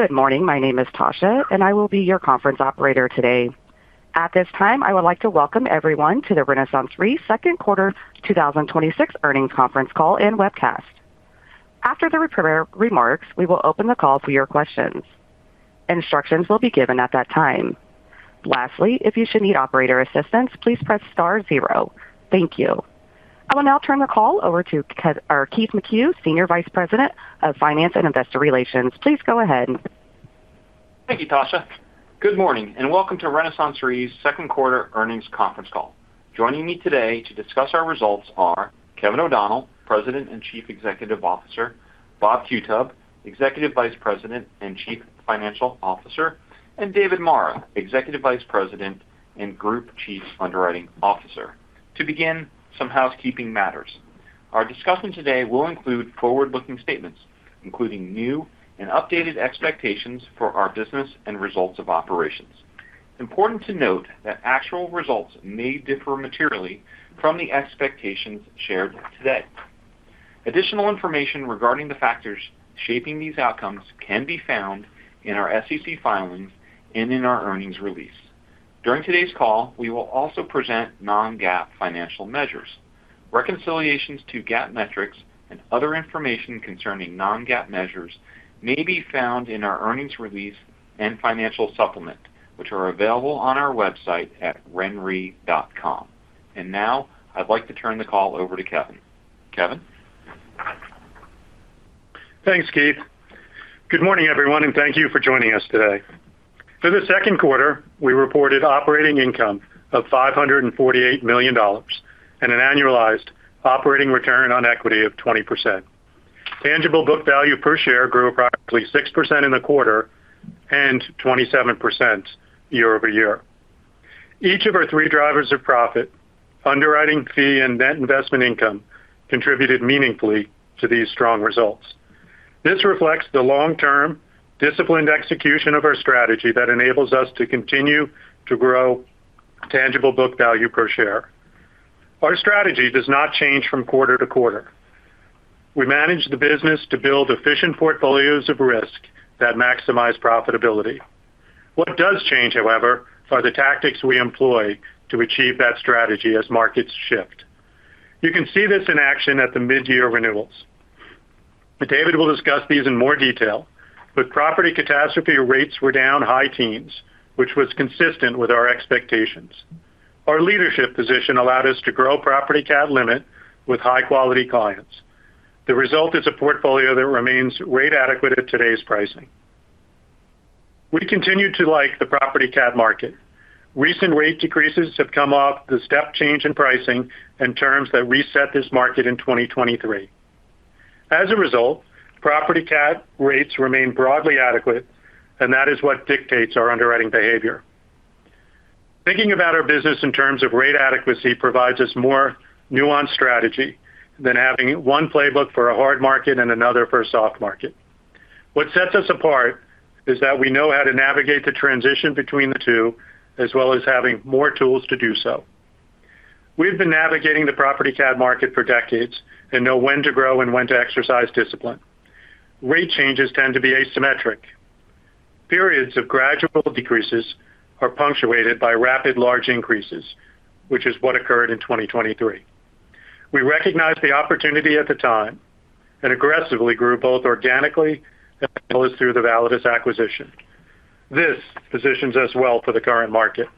Good morning. My name is Tasha, and I will be your conference operator today. At this time, I would like to welcome everyone to the RenaissanceRe second quarter 2026 earnings conference call and webcast. After the prepared remarks, we will open the call for your questions. Instructions will be given at that time. Lastly, if you should need operator assistance, please press star zero. Thank you. I will now turn the call over to Keith McCue, Senior Vice President of Finance and Investor Relations. Please go ahead. Thank you, Tasha. Good morning, and welcome to RenaissanceRe's second quarter earnings conference call. Joining me today to discuss our results are Kevin O'Donnell, President and Chief Executive Officer, Bob Qutub, Executive Vice President and Chief Financial Officer, and David Marra, Executive Vice President and Group Chief Underwriting Officer. To begin, some housekeeping matters. Our discussion today will include forward-looking statements, including new and updated expectations for our business and results of operations. Important to note that actual results may differ materially from the expectations shared today. Additional information regarding the factors shaping these outcomes can be found in our SEC filings and in our earnings release. During today's call, we will also present non-GAAP financial measures. Reconciliations to GAAP metrics and other information concerning non-GAAP measures may be found in our earnings release and financial supplement, which are available on our website at renre.com. Now I'd like to turn the call over to Kevin. Kevin? Thanks, Keith. Good morning, everyone, and thank you for joining us today. For the second quarter, we reported operating income of $548 million and an annualized operating return on equity of 20%. Tangible book value per share grew approximately 6% in the quarter and 27% year-over-year. Each of our three drivers of profit, underwriting fee, and net investment income contributed meaningfully to these strong results. This reflects the long-term, disciplined execution of our strategy that enables us to continue to grow tangible book value per share. Our strategy does not change from quarter-to-quarter. We manage the business to build efficient portfolios of risk that maximize profitability. What does change, however, are the tactics we employ to achieve that strategy as markets shift. You can see this in action at the mid-year renewals. David will discuss these in more detail, but property catastrophe rates were down high teens, which was consistent with our expectations. Our leadership position allowed us to grow property cat limit with high-quality clients. The result is a portfolio that remains rate adequate at today's pricing. We continue to like the property cat market. Recent rate decreases have come off the step change in pricing and terms that reset this market in 2023. Property cat rates remain broadly adequate, and that is what dictates our underwriting behavior. Thinking about our business in terms of rate adequacy provides us more nuanced strategy than having one playbook for a hard market and another for a soft market. What sets us apart is that we know how to navigate the transition between the two, as well as having more tools to do so. We've been navigating the property cat market for decades and know when to grow and when to exercise discipline. Rate changes tend to be asymmetric. Periods of gradual decreases are punctuated by rapid large increases, which is what occurred in 2023. We recognized the opportunity at the time and aggressively grew both organically and through the Validus acquisition. This positions us well for the current market.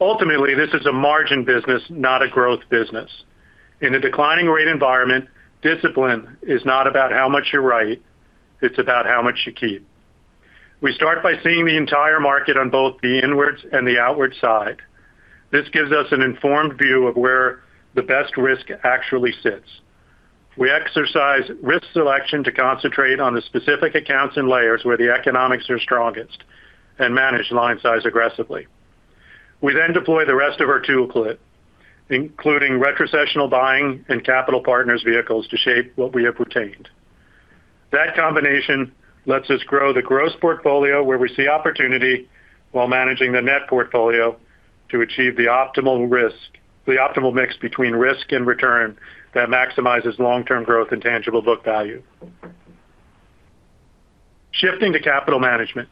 Ultimately, this is a margin business, not a growth business. In a declining rate environment, discipline is not about how much you write, it's about how much you keep. We start by seeing the entire market on both the inwards and the outward side. This gives us an informed view of where the best risk actually sits. We exercise risk selection to concentrate on the specific accounts and layers where the economics are strongest and manage line size aggressively. We then deploy the rest of our toolkit, including retrocessional buying and capital partners vehicles, to shape what we have retained. That combination lets us grow the gross portfolio where we see opportunity while managing the net portfolio to achieve the optimal mix between risk and return that maximizes long-term growth and tangible book value. Shifting to capital management.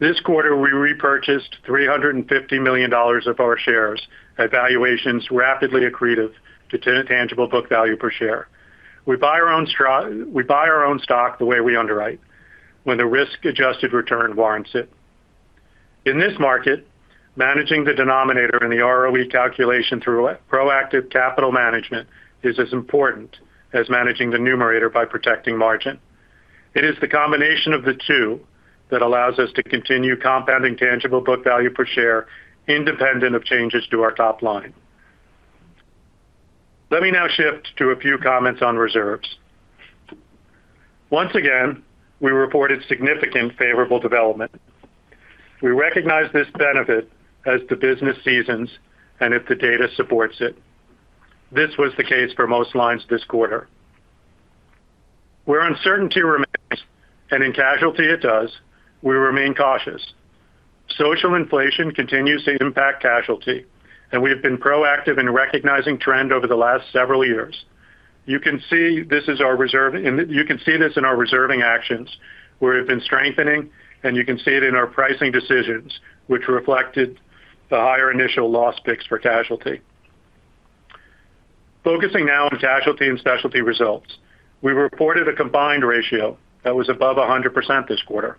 This quarter, we repurchased $350 million of our shares at valuations rapidly accretive to tangible book value per share. We buy our own stock the way we underwrite, when the risk-adjusted return warrants it. In this market, managing the denominator in the ROE calculation through proactive capital management is as important as managing the numerator by protecting margin. It is the combination of the two that allows us to continue compounding tangible book value per share independent of changes to our top line. Let me now shift to a few comments on reserves. Once again, we reported significant favorable development. We recognize this benefit as the business seasons and if the data supports it. This was the case for most lines this quarter. Where uncertainty remains, and in casualty it does, we remain cautious. Social inflation continues to impact casualty, and we have been proactive in recognizing trend over the last several years. You can see this in our reserving actions, where we've been strengthening, and you can see it in our pricing decisions, which reflected the higher initial loss picks for casualty. Focusing now on Casualty and Specialty results. We reported a combined ratio that was above 100% this quarter.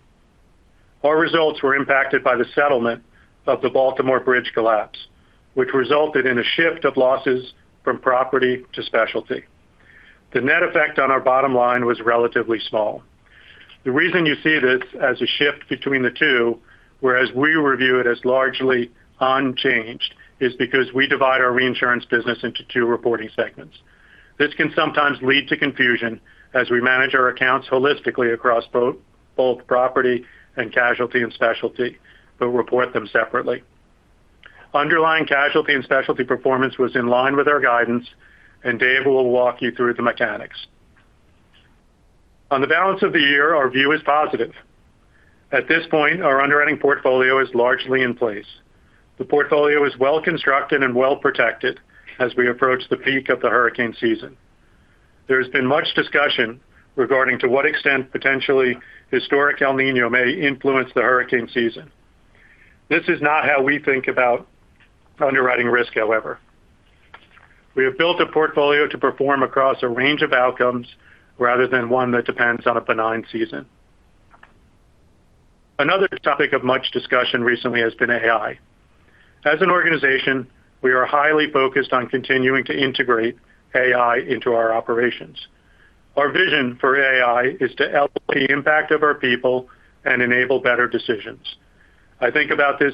Our results were impacted by the settlement of the Baltimore Bridge collapse, which resulted in a shift of losses from property to specialty. The net effect on our bottom line was relatively small. The reason you see this as a shift between the two, whereas we review it as largely unchanged, is because we divide our reinsurance business into two reporting segments. This can sometimes lead to confusion as we manage our accounts holistically across both property and Casualty and Specialty, but report them separately. Underlying Casualty and Specialty performance was in line with our guidance, and Dave will walk you through the mechanics. On the balance of the year, our view is positive. At this point, our underwriting portfolio is largely in place. The portfolio is well-constructed and well-protected as we approach the peak of the hurricane season. There has been much discussion regarding to what extent potentially historic El Niño may influence the hurricane season. This is not how we think about underwriting risk, however. We have built a portfolio to perform across a range of outcomes rather than one that depends on a benign season. Another topic of much discussion recently has been AI. As an organization, we are highly focused on continuing to integrate AI into our operations. Our vision for AI is to amplify the impact of our people and enable better decisions. I think about this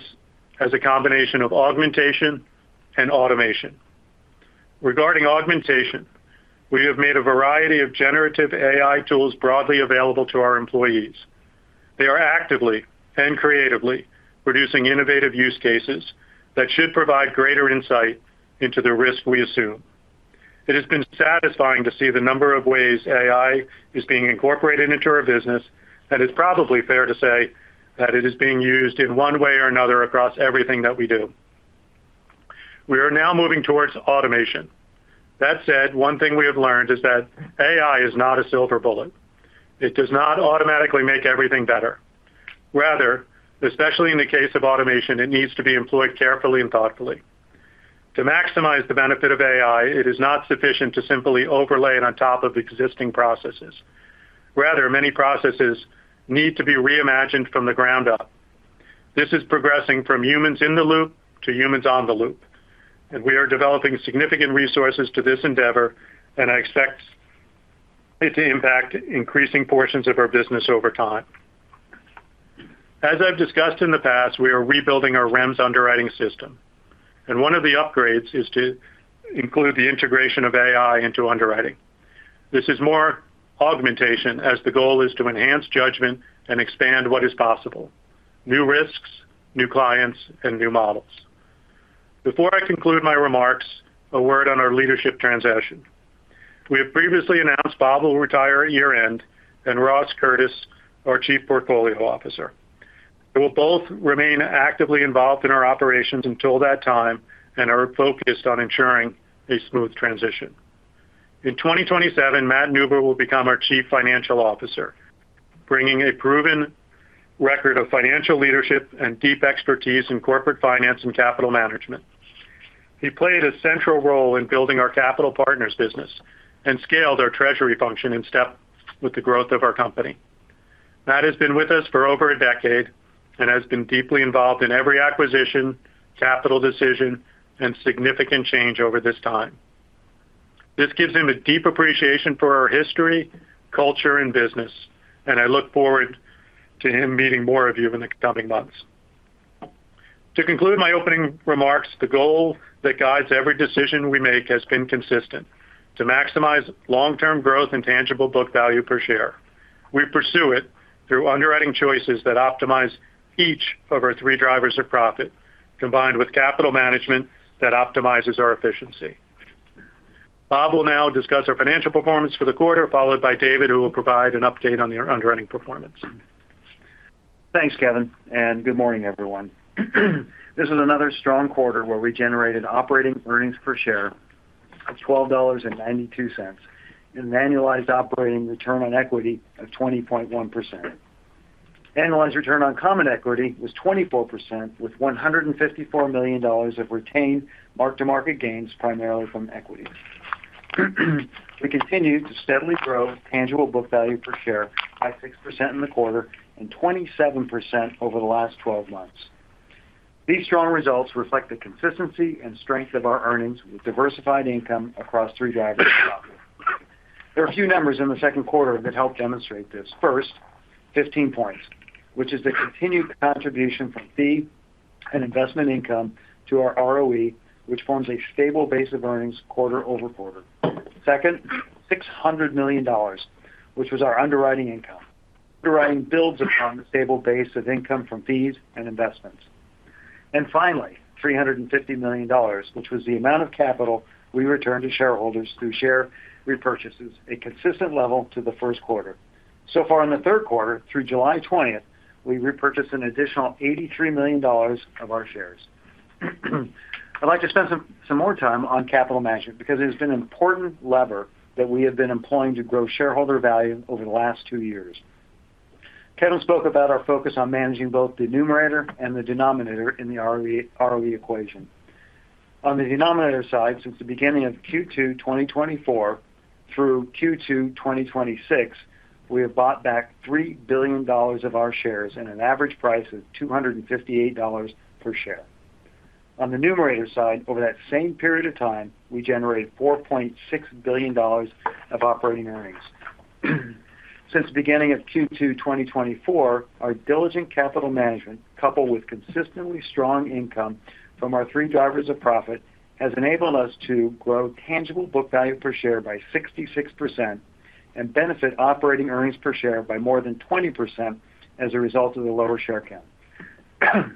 as a combination of augmentation and automation. Regarding augmentation, we have made a variety of generative AI tools broadly available to our employees. They are actively and creatively producing innovative use cases that should provide greater insight into the risk we assume. It has been satisfying to see the number of ways AI is being incorporated into our business, and it's probably fair to say that it is being used in one way or another across everything that we do. We are now moving towards automation. That said, one thing we have learned is that AI is not a silver bullet. It does not automatically make everything better. Rather, especially in the case of automation, it needs to be employed carefully and thoughtfully. To maximize the benefit of AI, it is not sufficient to simply overlay it on top of existing processes. Rather, many processes need to be reimagined from the ground up. This is progressing from humans in the loop to humans on the loop. We are developing significant resources to this endeavor, and I expect it to impact increasing portions of our business over time. As I've discussed in the past, we are rebuilding our REMS underwriting system, and one of the upgrades is to include the integration of AI into underwriting. This is more augmentation, as the goal is to enhance judgment and expand what is possible. New risks, new clients, and new models. Before I conclude my remarks, a word on our leadership transition. We have previously announced Bob will retire at year-end and Ross Curtis, our Chief Portfolio Officer. They will both remain actively involved in our operations until that time and are focused on ensuring a smooth transition. In 2027, Matt Neuber will become our Chief Financial Officer, bringing a proven record of financial leadership and deep expertise in corporate finance and capital management. He played a central role in building our capital partners business and scaled our treasury function in step with the growth of our company. Matt has been with us for over a decade and has been deeply involved in every acquisition, capital decision, and significant change over this time. This gives him a deep appreciation for our history, culture, and business, and I look forward to him meeting more of you in the coming months. To conclude my opening remarks, the goal that guides every decision we make has been consistent. To maximize long-term growth and tangible book value per share. We pursue it through underwriting choices that optimize each of our three drivers of profit, combined with capital management that optimizes our efficiency. Bob will now discuss our financial performance for the quarter, followed by David, who will provide an update on the underwriting performance. Thanks, Kevin, and good morning, everyone. This is another strong quarter where we generated operating earnings per share of $12.92 and annualized operating return on equity of 20.1%. Annualized return on common equity was 24%, with $154 million of retained mark-to-market gains, primarily from equities. We continue to steadily grow tangible book value per share by 6% in the quarter and 27% over the last 12 months. These strong results reflect the consistency and strength of our earnings with diversified income across three drivers of profit. There are a few numbers in the second quarter that help demonstrate this. First, 15 points, which is the continued contribution from fee and investment income to our ROE, which forms a stable base of earnings quarter-over-quarter. Second, $600 million, which was our underwriting income. Underwriting builds upon the stable base of income from fees and investments. Finally, $350 million, which was the amount of capital we returned to shareholders through share repurchases, a consistent level to the first quarter. So far in the third quarter, through July 20th, we repurchased an additional $83 million of our shares. I'd like to spend some more time on capital management, because it has been an important lever that we have been employing to grow shareholder value over the last two years. Kevin spoke about our focus on managing both the numerator and the denominator in the ROE equation. On the denominator side, since the beginning of Q2 2024 through Q2 2026, we have bought back $3 billion of our shares at an average price of $258 per share. On the numerator side, over that same period of time, we generated $4.6 billion of operating earnings. Since the beginning of Q2 2024, our diligent capital management, coupled with consistently strong income from our three drivers of profit, has enabled us to grow tangible book value per share by 66% and benefit operating earnings per share by more than 20% as a result of the lower share count.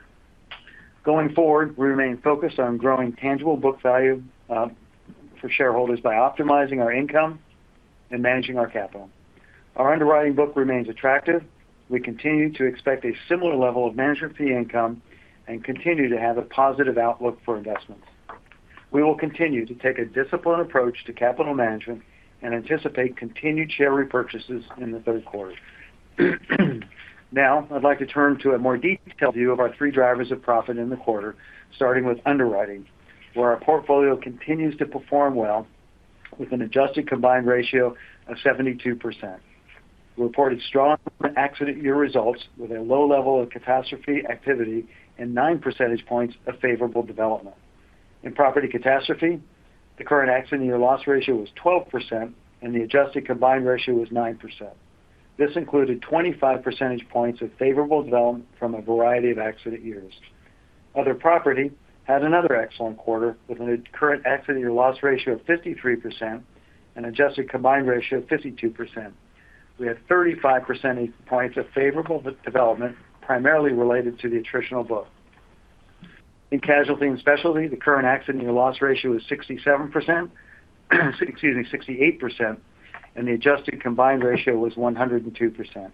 Going forward, we remain focused on growing tangible book value for shareholders by optimizing our income and managing our capital. Our underwriting book remains attractive. We continue to expect a similar level of management fee income and continue to have a positive outlook for investments. We will continue to take a disciplined approach to capital management and anticipate continued share repurchases in the third quarter. Now, I'd like to turn to a more detailed view of our three drivers of profit in the quarter, starting with underwriting, where our portfolio continues to perform well with an adjusted combined ratio of 72%. We reported strong accident year results with a low level of catastrophe activity and 9 percentage points of favorable development. In property catastrophe, the current accident year loss ratio was 12% and the adjusted combined ratio was 9%. This included 25 percentage points of favorable development from a variety of accident years. Other property had another excellent quarter with a current accident year loss ratio of 53% and adjusted combined ratio of 52%. We had 35 percentage points of favorable development, primarily related to the attritional book. In Casualty and Specialty, the current accident year loss ratio was 68%, and the adjusted combined ratio was 102%.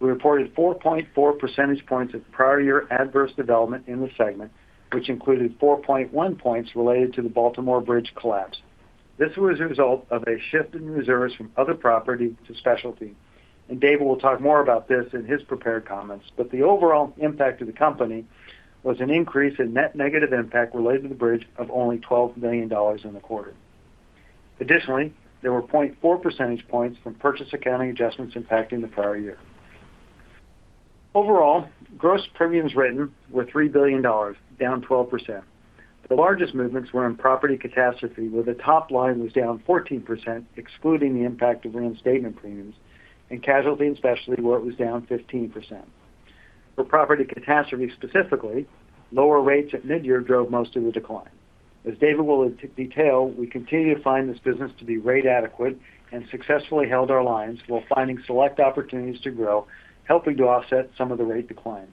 We reported 4.4 percentage points of prior year adverse development in the segment, which included 4.1 points related to the Baltimore Bridge collapse. This was a result of a shift in reserves from other property to Specialty, David will talk more about this in his prepared comments. The overall impact to the company was an increase in net negative impact related to the bridge of only $12 million in the quarter. Additionally, there were 0.4 percentage points from purchase accounting adjustments impacting the prior year. Overall, gross premiums written were $3 billion, down 12%. The largest movements were in property catastrophe, where the top line was down 14%, excluding the impact of reinstatement premiums, and Casualty and Specialty, where it was down 15%. For property catastrophe specifically, lower rates at mid-year drove most of the decline. As David will detail, we continue to find this business to be rate adequate and successfully held our lines while finding select opportunities to grow, helping to offset some of the rate decline.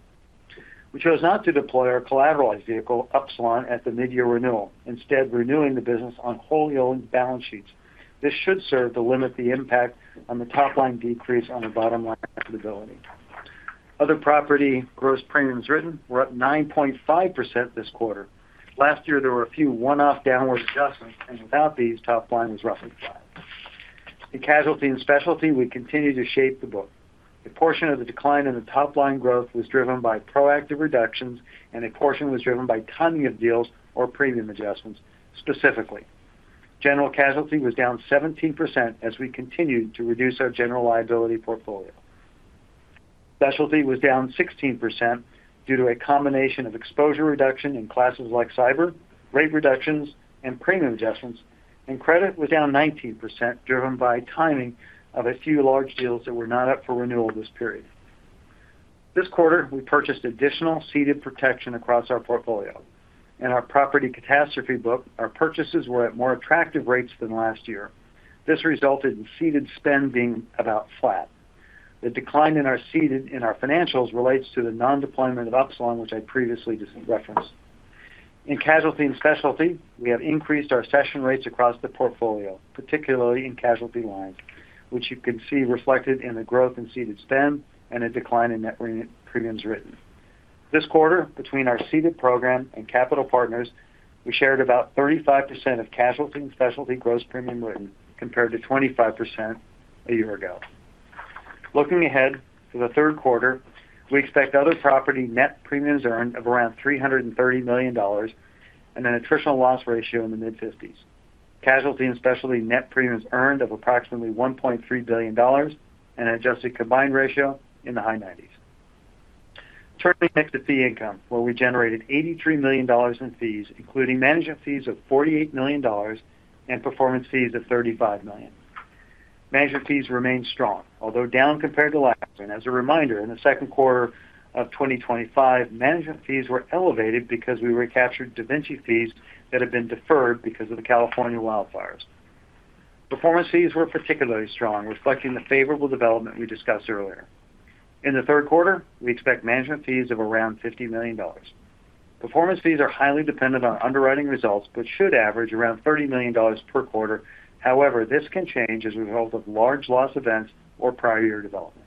We chose not to deploy our collateralized vehicle, Upsilon, at the mid-year renewal, instead renewing the business on wholly owned balance sheets. This should serve to limit the impact on the top line decrease on the bottom line profitability. Other property gross premiums written were up 9.5% this quarter. Last year, there were a few one-off downward adjustments, and without these, top line was roughly flat. In Casualty and Specialty, we continue to shape the book. A portion of the decline in the top line growth was driven by proactive reductions, and a portion was driven by timing of deals or premium adjustments, specifically. General Casualty was down 17% as we continued to reduce our general liability portfolio. Specialty was down 16% due to a combination of exposure reduction in classes like cyber, rate reductions, and premium adjustments, and credit was down 19%, driven by timing of a few large deals that were not up for renewal this period. This quarter, we purchased additional ceded protection across our portfolio. In our property catastrophe book, our purchases were at more attractive rates than last year. This resulted in ceded spend being about flat. The decline in our ceded in our financials relates to the non-deployment of Upsilon, which I previously just referenced. In Casualty and Specialty, we have increased our cession rates across the portfolio, particularly in Casualty lines, which you can see reflected in the growth in ceded spend and a decline in net premiums written. This quarter, between our ceded program and capital partners, we shared about 35% of Casualty and Specialty gross premium written, compared to 25% a year ago. Looking ahead to the third quarter, we expect other property net premiums earned of around $330 million and an attritional loss ratio in the mid-50%. Casualty and Specialty net premiums earned of approximately $1.3 billion and adjusted combined ratio in the high 90%. Turning next to fee income, where we generated $83 million in fees, including management fees of $48 million and performance fees of $35 million. Management fees remain strong, although down compared to last year. As a reminder, in the second quarter of 2025, management fees were elevated because we recaptured DaVinci fees that had been deferred because of the California wildfires. Performance fees were particularly strong, reflecting the favorable development we discussed earlier. In the third quarter, we expect management fees of around $50 million. Performance fees are highly dependent on underwriting results but should average around $30 million per quarter. However, this can change as a result of large loss events or prior year development.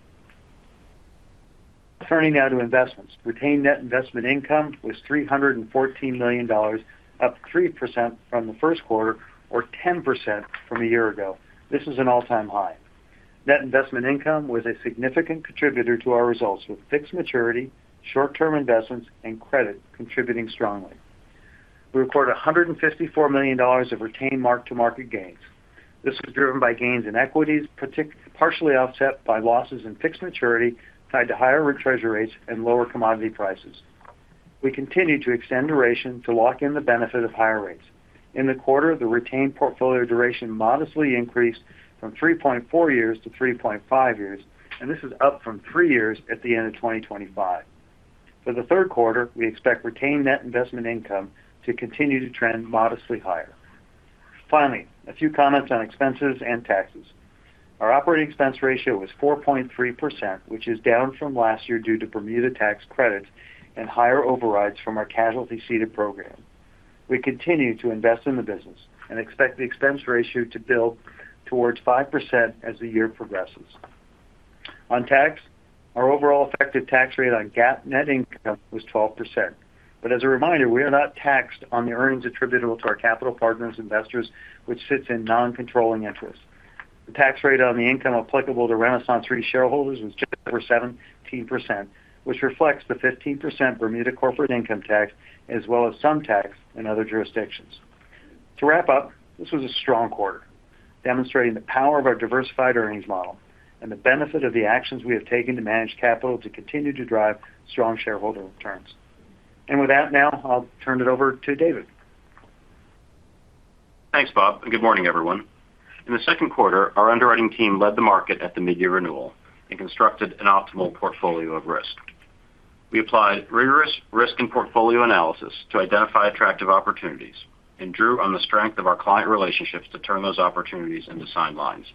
Turning now to investments. Retained net investment income was $314 million, up 3% from the first quarter or 10% from a year ago. This is an all-time high. Net investment income was a significant contributor to our results, with fixed maturity, short-term investments, and credit contributing strongly. We recorded $154 million of retained mark-to-market gains. This was driven by gains in equities, partially offset by losses in fixed maturity tied to higher treasury rates and lower commodity prices. We continued to extend duration to lock in the benefit of higher rates. In the quarter, the retained portfolio duration modestly increased from 3.4 years to 3.5 years, and this is up from three years at the end of 2025. For the third quarter, we expect retained net investment income to continue to trend modestly higher. Finally, a few comments on expenses and taxes. Our operating expense ratio was 4.3%, which is down from last year due to Bermuda tax credits and higher overrides from our casualty ceded program. We continue to invest in the business and expect the expense ratio to build towards 5% as the year progresses. On tax, our overall effective tax rate on GAAP net income was 12%. As a reminder, we are not taxed on the earnings attributable to our capital partners investors, which sits in non-controlling interest. The tax rate on the income applicable to RenaissanceRe shareholders was just over 17%, which reflects the 15% Bermuda corporate income tax, as well as some tax in other jurisdictions. To wrap up, this was a strong quarter, demonstrating the power of our diversified earnings model and the benefit of the actions we have taken to manage capital to continue to drive strong shareholder returns. With that, now I'll turn it over to David. Thanks, Bob, and good morning, everyone. In the second quarter, our underwriting team led the market at the mid-year renewal and constructed an optimal portfolio of risk. We applied rigorous risk and portfolio analysis to identify attractive opportunities and drew on the strength of our client relationships to turn those opportunities into signed lines.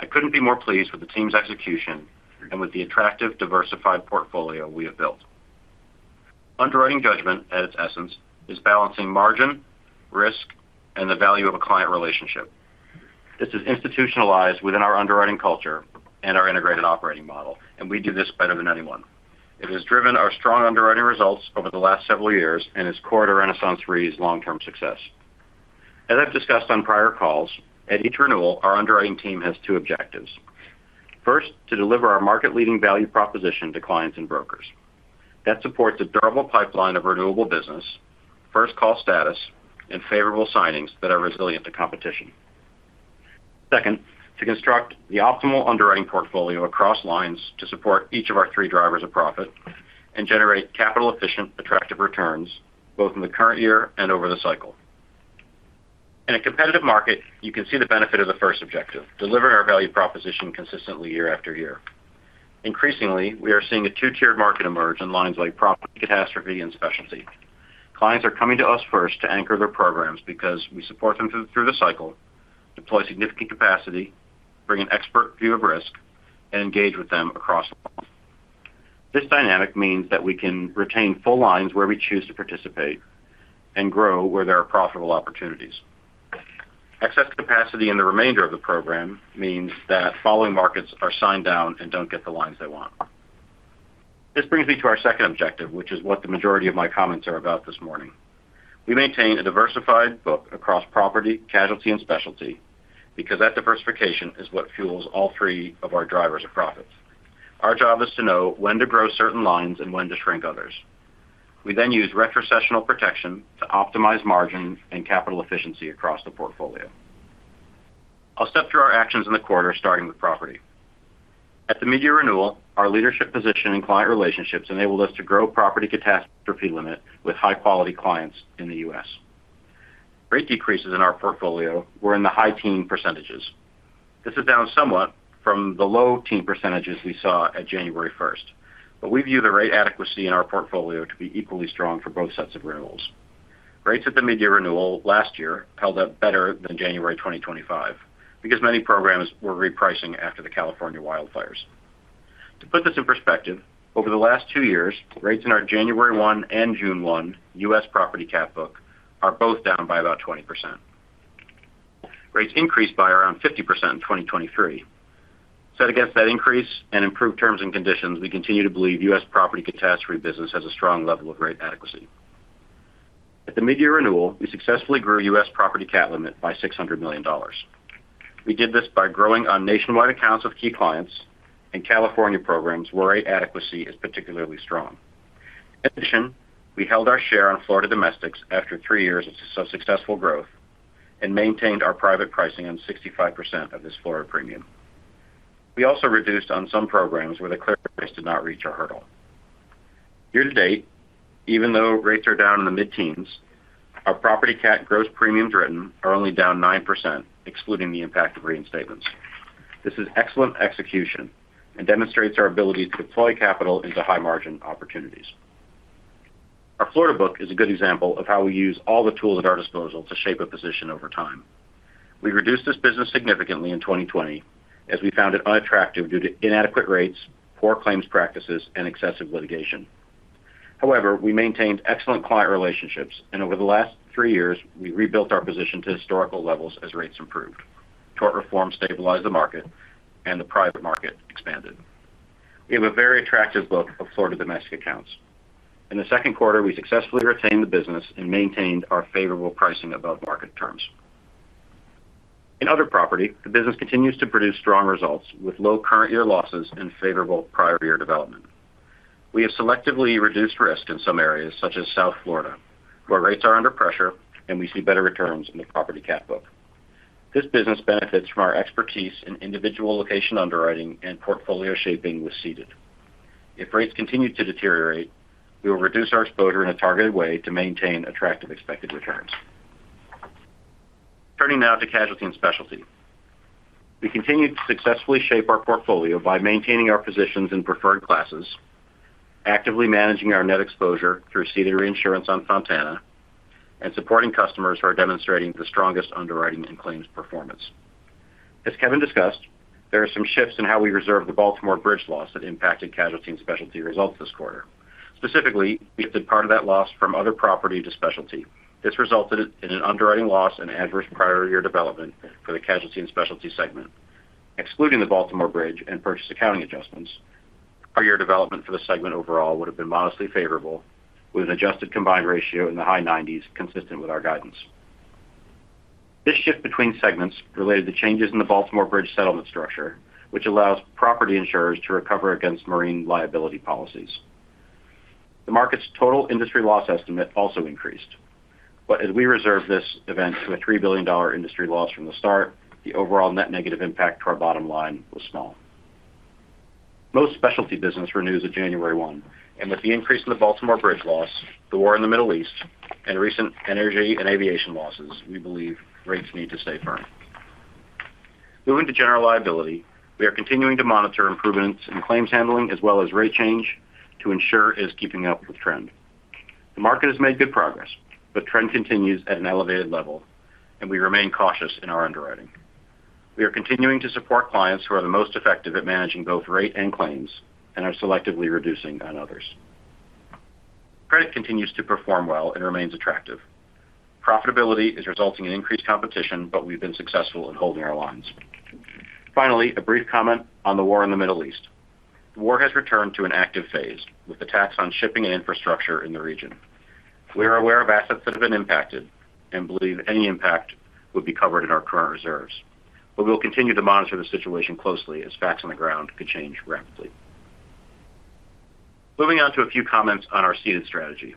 I couldn't be more pleased with the team's execution and with the attractive, diversified portfolio we have built. Underwriting judgment, at its essence, is balancing margin, risk, and the value of a client relationship. This is institutionalized within our underwriting culture and our integrated operating model, and we do this better than anyone. It has driven our strong underwriting results over the last several years and is core to RenaissanceRe's long-term success. As I've discussed on prior calls, at each renewal, our underwriting team has two objectives. First, to deliver our market-leading value proposition to clients and brokers. That supports a durable pipeline of renewable business, first-call status, and favorable signings that are resilient to competition. Second, to construct the optimal underwriting portfolio across lines to support each of our three drivers of profit and generate capital-efficient, attractive returns, both in the current year and over the cycle. In a competitive market, you can see the benefit of the first objective, delivering our value proposition consistently year after year. Increasingly, we are seeing a two-tiered market emerge in lines like property, catastrophe, and specialty. Clients are coming to us first to anchor their programs because we support them through the cycle, deploy significant capacity, bring an expert view of risk, and engage with them across. This dynamic means that we can retain full lines where we choose to participate and grow where there are profitable opportunities. Excess capacity in the remainder of the program means that following markets are signed down and don't get the lines they want. This brings me to our second objective, which is what the majority of my comments are about this morning. We maintain a diversified book across property, casualty, and specialty because that diversification is what fuels all three of our drivers of profits. Our job is to know when to grow certain lines and when to shrink others. We then use retrocessional protection to optimize margin and capital efficiency across the portfolio. I'll step through our actions in the quarter, starting with property. At the mid-year renewal, our leadership position and client relationships enabled us to grow property catastrophe limit with high-quality clients in the U.S. Rate decreases in our portfolio were in the high teen percentages. This is down somewhat from the low teen percentages we saw at January 1st. We view the rate adequacy in our portfolio to be equally strong for both sets of renewals. Rates at the mid-year renewal last year held up better than January 2025 because many programs were repricing after the California wildfires. To put this in perspective, over the last two years, rates in our January 1st and June 1st U.S. property cat book are both down by about 20%. Rates increased by around 50% in 2023. Set against that increase and improved terms and conditions, we continue to believe U.S. property catastrophe business has a strong level of rate adequacy. At the mid-year renewal, we successfully grew U.S. property cat limit by $600 million. We did this by growing on nationwide accounts with key clients and California programs where rate adequacy is particularly strong. In addition, we held our share on Florida domestics after three years of successful growth and maintained our private pricing on 65% of this Florida premium. We also reduced on some programs where the clear price did not reach our hurdle. Year-to-date, even though rates are down in the mid-teens, our property cat gross premiums written are only down 9%, excluding the impact of reinstatements. This is excellent execution and demonstrates our ability to deploy capital into high-margin opportunities. Our Florida book is a good example of how we use all the tools at our disposal to shape a position over time. We reduced this business significantly in 2020 as we found it unattractive due to inadequate rates, poor claims practices, and excessive litigation. However, we maintained excellent client relationships, and over the last three years, we rebuilt our position to historical levels as rates improved. Tort reform stabilized the market and the private market expanded. We have a very attractive book of Florida domestic accounts. In the second quarter, we successfully retained the business and maintained our favorable pricing above market terms. In other property, the business continues to produce strong results with low current year losses and favorable prior year development. We have selectively reduced risk in some areas, such as South Florida, where rates are under pressure and we see better returns in the property cat book. This business benefits from our expertise in individual location underwriting and portfolio shaping with ceded. If rates continue to deteriorate, we will reduce our exposure in a targeted way to maintain attractive expected returns. Turning now to Casualty and Specialty. We continued to successfully shape our portfolio by maintaining our positions in preferred classes, actively managing our net exposure through ceded reinsurance on Fontana, and supporting customers who are demonstrating the strongest underwriting and claims performance. As Kevin discussed, there are some shifts in how we reserve the Baltimore Bridge loss that impacted Casualty and Specialty results this quarter. Specifically, we have moved part of that loss from other property to specialty. This resulted in an underwriting loss and adverse prior year development for the Casualty and Specialty segment. Excluding the Baltimore Bridge and purchase accounting adjustments, our year development for the segment overall would've been modestly favorable, with an adjusted combined ratio in the high 90%, consistent with our guidance. This shift between segments related to changes in the Baltimore Bridge settlement structure, which allows property insurers to recover against marine liability policies. The market's total industry loss estimate also increased. As we reserved this event to a $3 billion industry loss from the start, the overall net negative impact to our bottom line was small. Most specialty business renews at January 1st. With the increase in the Baltimore Bridge loss, the war in the Middle East, and recent energy and aviation losses, we believe rates need to stay firm. Moving to general liability, we are continuing to monitor improvements in claims handling as well as rate change to ensure it is keeping up with trend. The market has made good progress, but trend continues at an elevated level. We remain cautious in our underwriting. We are continuing to support clients who are the most effective at managing both rate and claims and are selectively reducing on others. Credit continues to perform well and remains attractive. Profitability is resulting in increased competition, but we've been successful in holding our lines. Finally, a brief comment on the war in the Middle East. The war has returned to an active phase, with attacks on shipping and infrastructure in the region. We are aware of assets that have been impacted and believe any impact would be covered in our current reserves, but we will continue to monitor the situation closely, as facts on the ground could change rapidly. Moving on to a few comments on our ceded strategy.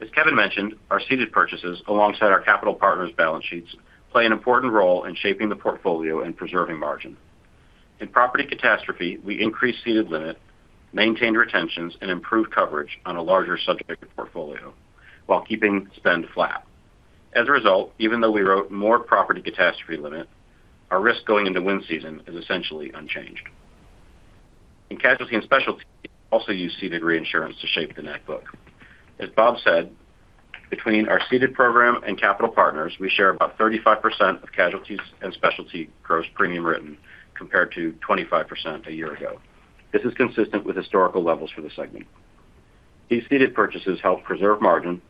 As Kevin mentioned, our ceded purchases, alongside our capital partners' balance sheets, play an important role in shaping the portfolio and preserving margin. In property catastrophe, we increased ceded limit, maintained retentions, and improved coverage on a larger subject portfolio while keeping spend flat. As a result, even though we wrote more property catastrophe limit, our risk going into wind season is essentially unchanged. In Casualty and Specialty, we also use ceded reinsurance to shape the net book. As Bob said, between our ceded program and capital partners, we share about 35% of Casualty and Specialty gross premium written, compared to 25% a year ago. This is consistent with historical levels for the segment. These ceded purchases help preserve margin,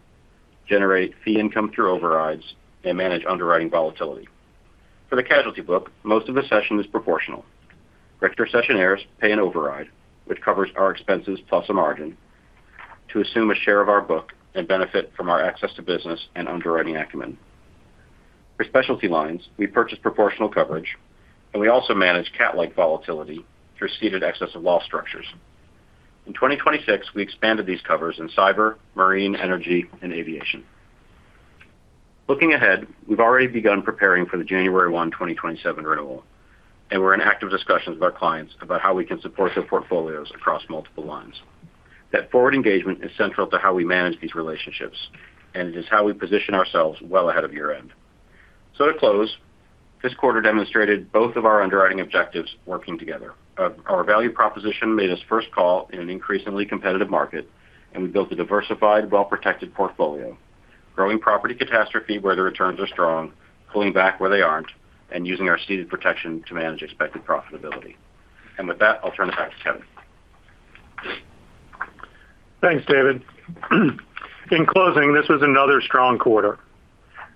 generate fee income through overrides, and manage underwriting volatility. For the casualty book, most of the cession is proportional. Ceded cessionaires pay an override, which covers our expenses plus a margin, to assume a share of our book and benefit from our access to business and underwriting acumen. For specialty lines, we purchase proportional coverage, and we also manage cat-like volatility through ceded excess of loss structures. In 2026, we expanded these covers in cyber, marine, energy, and aviation. Looking ahead, we've already begun preparing for the January 1st, 2027 renewal, and we're in active discussions with our clients about how we can support their portfolios across multiple lines. That forward engagement is central to how we manage these relationships, and it is how we position ourselves well ahead of year-end. To close, this quarter demonstrated both of our underwriting objectives working together. Our value proposition made us first call in an increasingly competitive market, and we built a diversified, well-protected portfolio, growing property catastrophe where the returns are strong, pulling back where they aren't, and using our ceded protection to manage expected profitability. With that, I'll turn it back to Kevin. Thanks, David. In closing, this was another strong quarter.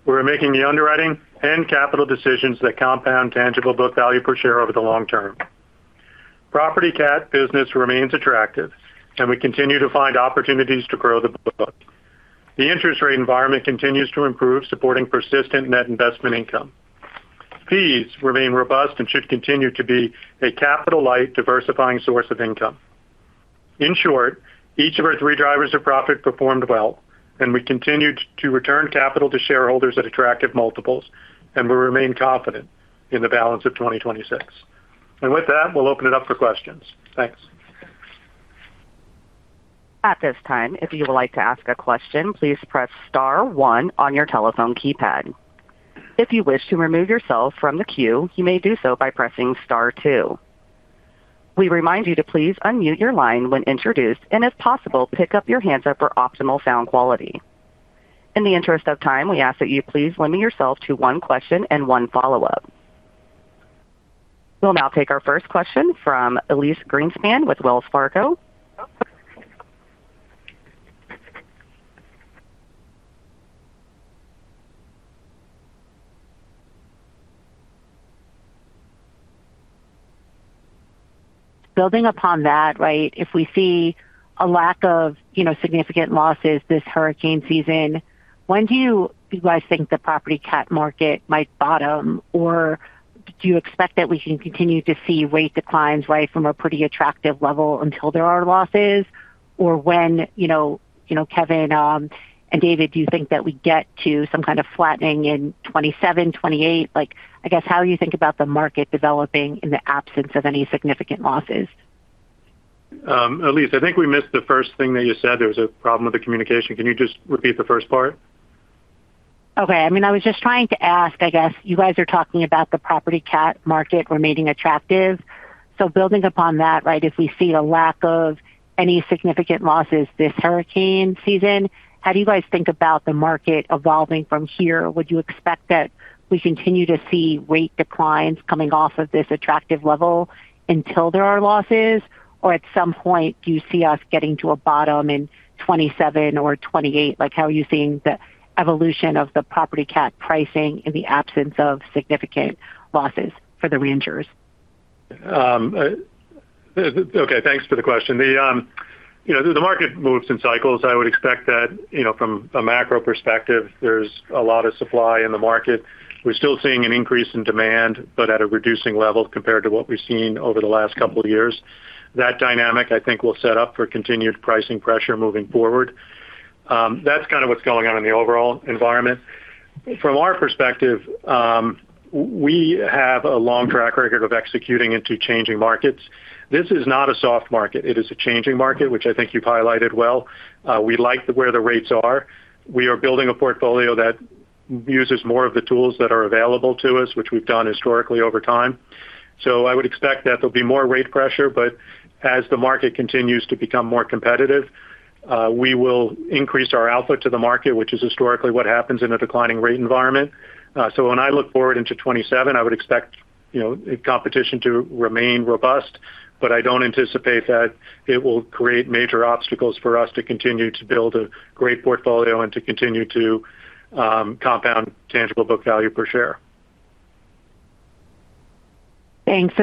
We're making the underwriting and capital decisions that compound tangible book value per share over the long term. Property cat business remains attractive, and we continue to find opportunities to grow the book. The interest rate environment continues to improve, supporting persistent net investment income. Fees remain robust and should continue to be a capital-light diversifying source of income. In short, each of our three drivers of profit performed well, and we continued to return capital to shareholders at attractive multiples, and we remain confident in the balance of 2026. With that, we'll open it up for questions. Thanks. At this time, if you would like to ask a question, please press star one on your telephone keypad. If you wish to remove yourself from the queue, you may do so by pressing star two. We remind you to please unmute your line when introduced, and if possible, pick up your handset for optimal sound quality. In the interest of time, we ask that you please limit yourself to one question and one follow-up. We'll now take our first question from Elyse Greenspan with Wells Fargo. Building upon that, if we see a lack of significant losses this hurricane season, when do you guys think the property cat market might bottom? Do you expect that we can continue to see rate declines from a pretty attractive level until there are losses? When, Kevin and David, do you think that we get to some kind of flattening in 2027, 2028? I guess, how you think about the market developing in the absence of any significant losses? Elyse, I think we missed the first thing that you said. There was a problem with the communication. Can you just repeat the first part? Okay. I was just trying to ask, I guess, you guys are talking about the property cat market remaining attractive. Building upon that, if we see a lack of any significant losses this hurricane season, how do you guys think about the market evolving from here? Would you expect that we continue to see rate declines coming off of this attractive level until there are losses? At some point, do you see us getting to a bottom in 2027 or 2028? How are you seeing the evolution of the property cat pricing in the absence of significant losses for the reinsurers? Okay, thanks for the question. The market moves in cycles. I would expect that from a macro perspective, there's a lot of supply in the market. We're still seeing an increase in demand, but at a reducing level compared to what we've seen over the last couple of years. That dynamic, I think, will set up for continued pricing pressure moving forward. That's what's going on in the overall environment. From our perspective, we have a long track record of executing into changing markets. This is not a soft market. It is a changing market, which I think you've highlighted well. We like where the rates are, we are building a portfolio that uses more of the tools that are available to us, which we've done historically over time. I would expect that there will be more rate pressure, but as the market continues to become more competitive, we will increase our output to the market, which is historically what happens in a declining rate environment. When I look forward into 2027, I would expect competition to remain robust, but I don't anticipate that it will create major obstacles for us to continue to build a great portfolio and to continue to compound tangible book value per share. Thanks.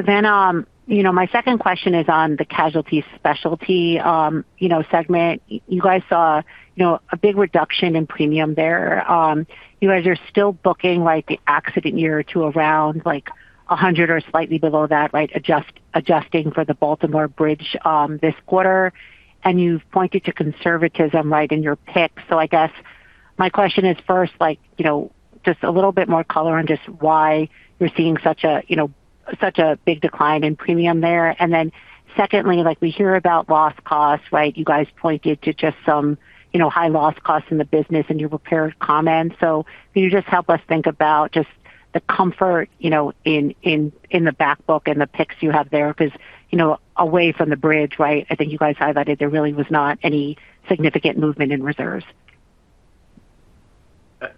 My second question is on Casualty and Specialty segment. You guys saw a big reduction in premium there. You guys are still booking the accident year to around 100 or slightly below that, adjusting for the Baltimore bridge this quarter. You've pointed to conservatism in your picks. I guess my question is first, just a little bit more color on just why you're seeing such a big decline in premium there. Secondly, we hear about loss costs. You guys pointed to just some high loss costs in the business in your prepared comments. Can you just help us think about just the comfort in the back book and the picks you have there? Because away from the bridge, I think you guys highlighted there really was not any significant movement in reserves.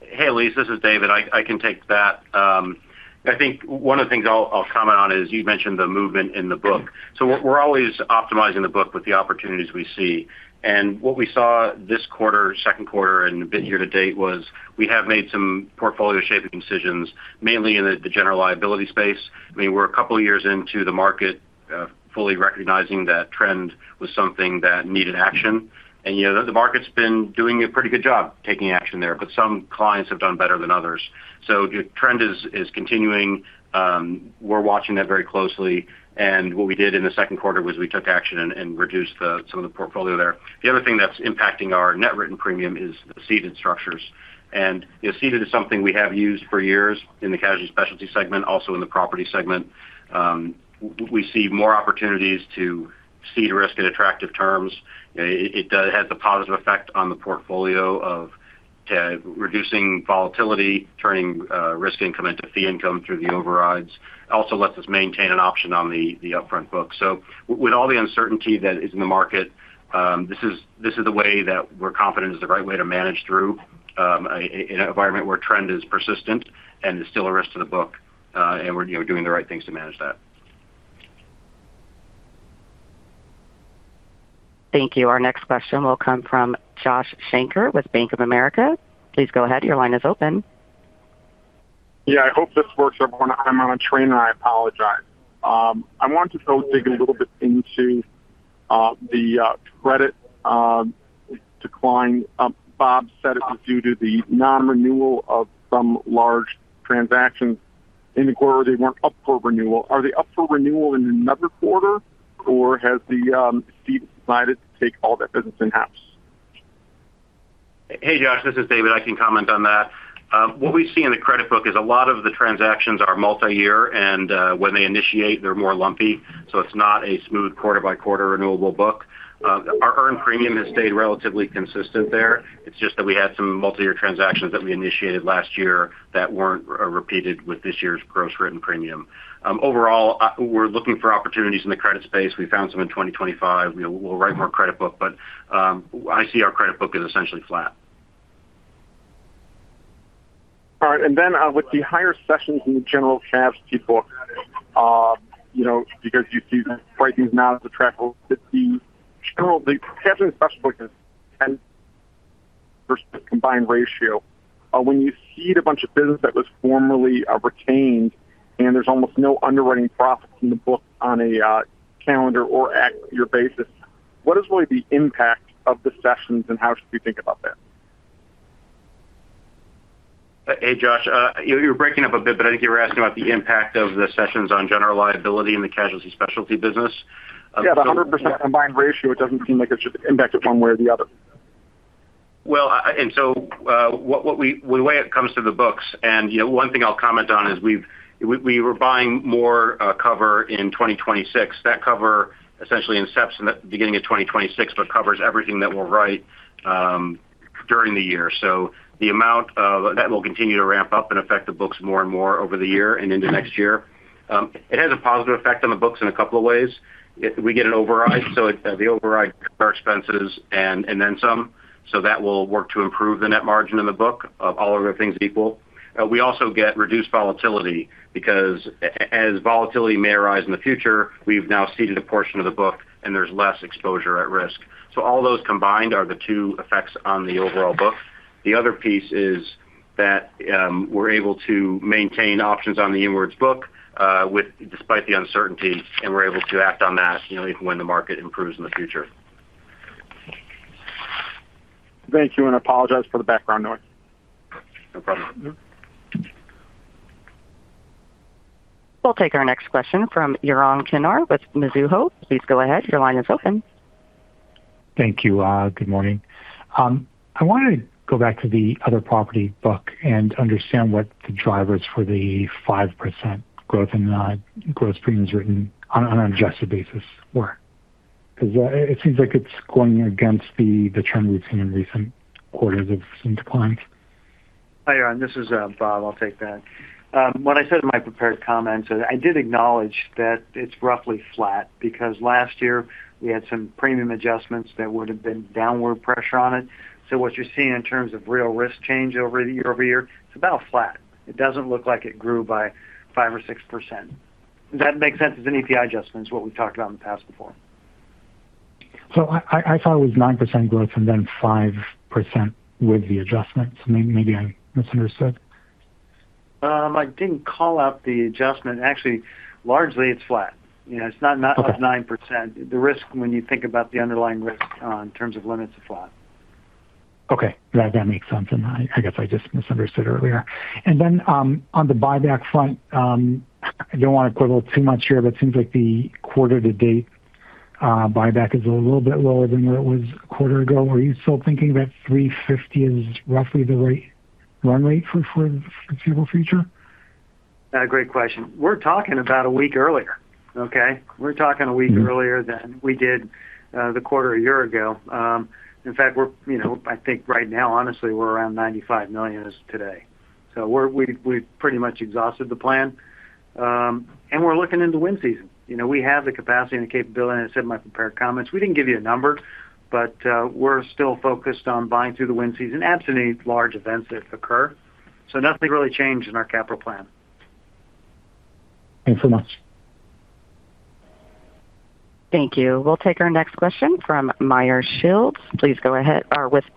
Hey, Elyse, this is David. I can take that. I think one of the things I'll comment on is you mentioned the movement in the book. We're always optimizing the book with the opportunities we see. What we saw this quarter, second quarter, and a bit year-to-date was we have made some portfolio shaping decisions, mainly in the general liability space. We're a couple of years into the market fully recognizing that trend was something that needed action. The market's been doing a pretty good job taking action there, but some clients have done better than others. The trend is continuing. We're watching that very closely, and what we did in the second quarter was we took action and reduced some of the portfolio there. The other thing that's impacting our net written premium is the ceded structures. Ceded is something we have used for years in the Casualty and Specialty segment, also in the property segment. We see more opportunities to cede risk at attractive terms. It has a positive effect on the portfolio of reducing volatility, turning risk income into fee income through the overrides. It also lets us maintain an option on the upfront book. With all the uncertainty that is in the market, this is the way that we're confident is the right way to manage through in an environment where trend is persistent and there's still a risk to the book, and we're doing the right things to manage that. Thank you. Our next question will come from Josh Shanker with Bank of America. Please go ahead. Your line is open. I hope this works everyone. I'm on a train, and I apologize. I wanted to go dig a little bit into the credit decline. Bob said it was due to the non-renewal of some large transactions in the quarter. They weren't up for renewal. Are they up for renewal in another quarter, or has the ceded decided to take all that business in-house? Hey, Josh, this is David. I can comment on that. What we see in the credit book is a lot of the transactions are multi-year, and when they initiate, they're more lumpy. It's not a smooth quarter-by-quarter renewable book. Our earned premium has stayed relatively consistent there. It's just that we had some multi-year transactions that we initiated last year that weren't repeated with this year's gross written premium. Overall, we're looking for opportunities in the credit space. We found some in 2025. We'll write more credit book. I see our credit book is essentially flat. All right. Then with the higher sessions in the general casualty book, because you see the pricing is not as attractive as the general Casualty and Specialty business and versus combined ratio. When you cede a bunch of business that was formerly retained and there's almost no underwriting profits in the book on a calendar or at your basis, what is really the impact of the sessions and how should we think about that? Hey, Josh. I think you were asking about the impact of the sessions on general liability in the Casualty and Specialty business. Yeah, the 100% combined ratio, it doesn't seem like it should impact it one way or the other. Well, the way it comes to the books, one thing I'll comment on is we were buying more cover in 2026. That cover essentially inceptions at the beginning of 2026, covers everything that we'll write during the year. The amount of that will continue to ramp up and affect the books more and more over the year and into next year. It has a positive effect on the books in a couple of ways. We get an override, the override cover our expenses and then some. That will work to improve the net margin in the book of all other things equal. We also get reduced volatility because as volatility may arise in the future, we've now ceded a portion of the book and there's less exposure at risk. All those combined are the two effects on the overall book. The other piece is that we're able to maintain options on the inwards book despite the uncertainty, and we're able to act on that even when the market improves in the future. Thank you, and I apologize for the background noise. No problem. We'll take our next question from Yaron Kinar with Mizuho. Please go ahead. Your line is open. Thank you. Good morning, I want to go back to the other property book and understand what the drivers for the 5% growth in the gross premiums written on an adjusted basis were. It seems like it's going against the trend we've seen in recent quarters of some declines. Hi, Yaron. This is Bob. I'll take that. What I said in my prepared comments, I did acknowledge that it's roughly flat because last year we had some premium adjustments that would've been downward pressure on it. What you're seeing in terms of real risk change year-over-year, it's about flat. It doesn't look like it grew by 5% or 6%. Does that make sense as an EPI adjustment is what we've talked about in the past before. I thought it was 9% growth and then 5% with the adjustments. Maybe I misunderstood. I didn't call out the adjustment. Actually, largely it's flat. It's not up 9%. The risk when you think about the underlying risk in terms of limits of flat. Okay, that makes sense. I guess I just misunderstood earlier. Then on the buyback front, I don't want to put a little too much here, but it seems like the quarter-to-date buyback is a little bit lower than where it was a quarter ago. Are you still thinking that $350 million is roughly the runway for the foreseeable future? Great question. We're talking about a week earlier. Okay. We're talking a week earlier than we did the quarter a year ago. In fact, I think right now, honestly, we're around $95 million as of today. We've pretty much exhausted the plan, and we're looking into wind season. We have the capacity and the capability, and I said in my prepared comments. We didn't give you a number, but we're still focused on buying through the wind season, absent any large events that occur. Nothing really changed in our capital plan. Thanks so much. Thank you. We'll take our next question from Meyer Shields with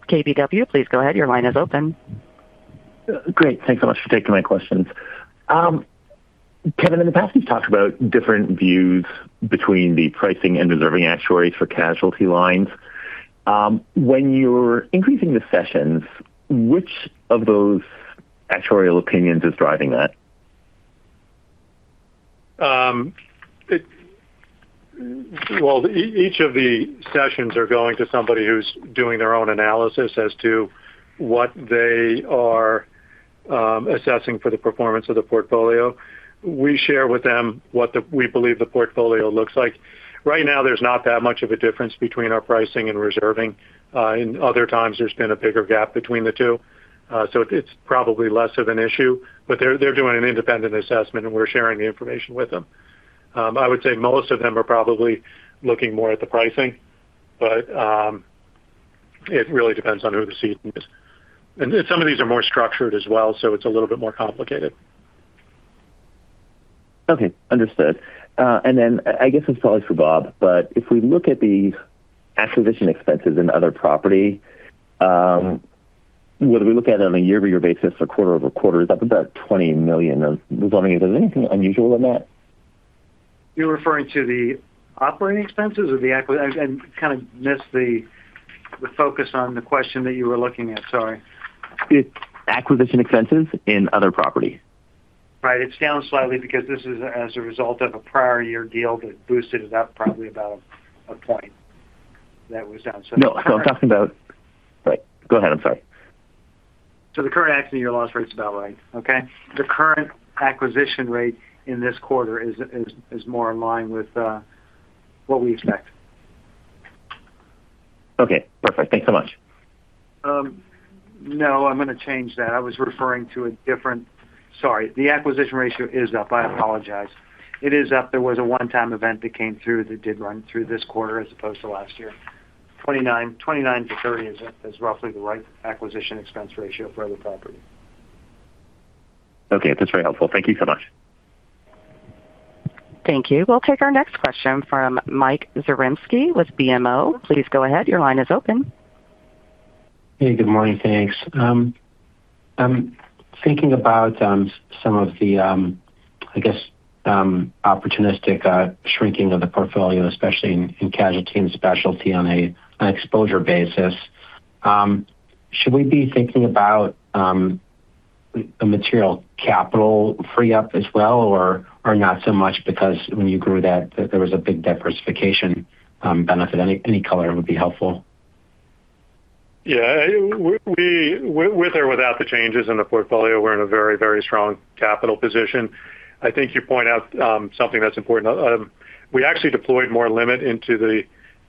KBW. Please go ahead. Your line is open. Great, thanks so much for taking my questions. Kevin, in the past, you've talked about different views between the pricing and reserving actuaries for casualty lines. When you're increasing the cessions, which of those actuarial opinions is driving that? Well, each of the cessions are going to somebody who's doing their own analysis as to what they are assessing for the performance of the portfolio. We share with them what we believe the portfolio looks like. Right now, there's not that much of a difference between our pricing and reserving. In other times, there's been a bigger gap between the two. It's probably less of an issue, but they're doing an independent assessment and we're sharing the information with them. I would say most of them are probably looking more at the pricing, but it really depends on who the cede is. Some of these are more structured as well, so it's a little bit more complicated. Okay, understood. I guess this is probably for Bob, if we look at the acquisition expenses in other property, whether we look at it on a year-over-year basis or quarter-over-quarter, that's about $20 million. I was wondering if there's anything unusual in that. You're referring to the operating expenses or the I kind of missed the focus on the question that you were looking at? Sorry. It's acquisition expenses in other property. Right. It's down slightly because this is as a result of a prior year deal that boosted it up probably about a point. That was down. No, I'm talking about. Go ahead, I'm sorry. The current acquisition year loss rate is about right. Okay? The current acquisition rate in this quarter is more in line with what we expect. Okay, perfect. Thanks so much. No, I'm going to change that. I was referring to a different Sorry. The acquisition ratio is up. I apologize. It is up. There was a one-time event that came through that did run through this quarter as opposed to last year. 29%-30% is roughly the right acquisition expense ratio for the property. Okay, that's very helpful. Thank you so much. Thank you. We'll take our next question from Michael Zaremski with BMO. Please go ahead. Your line is open. Hey, good morning. Thanks. I'm thinking about some of the, I guess, opportunistic shrinking of the portfolio, especially in Casualty and Specialty on an exposure basis. Should we be thinking about a material capital free up as well, or not so much because when you grew that, there was a big diversification benefit? Any color would be helpful. Yeah, with or without the changes in the portfolio, we're in a very strong capital position. I think you point out something that's important. We actually deployed more limit into the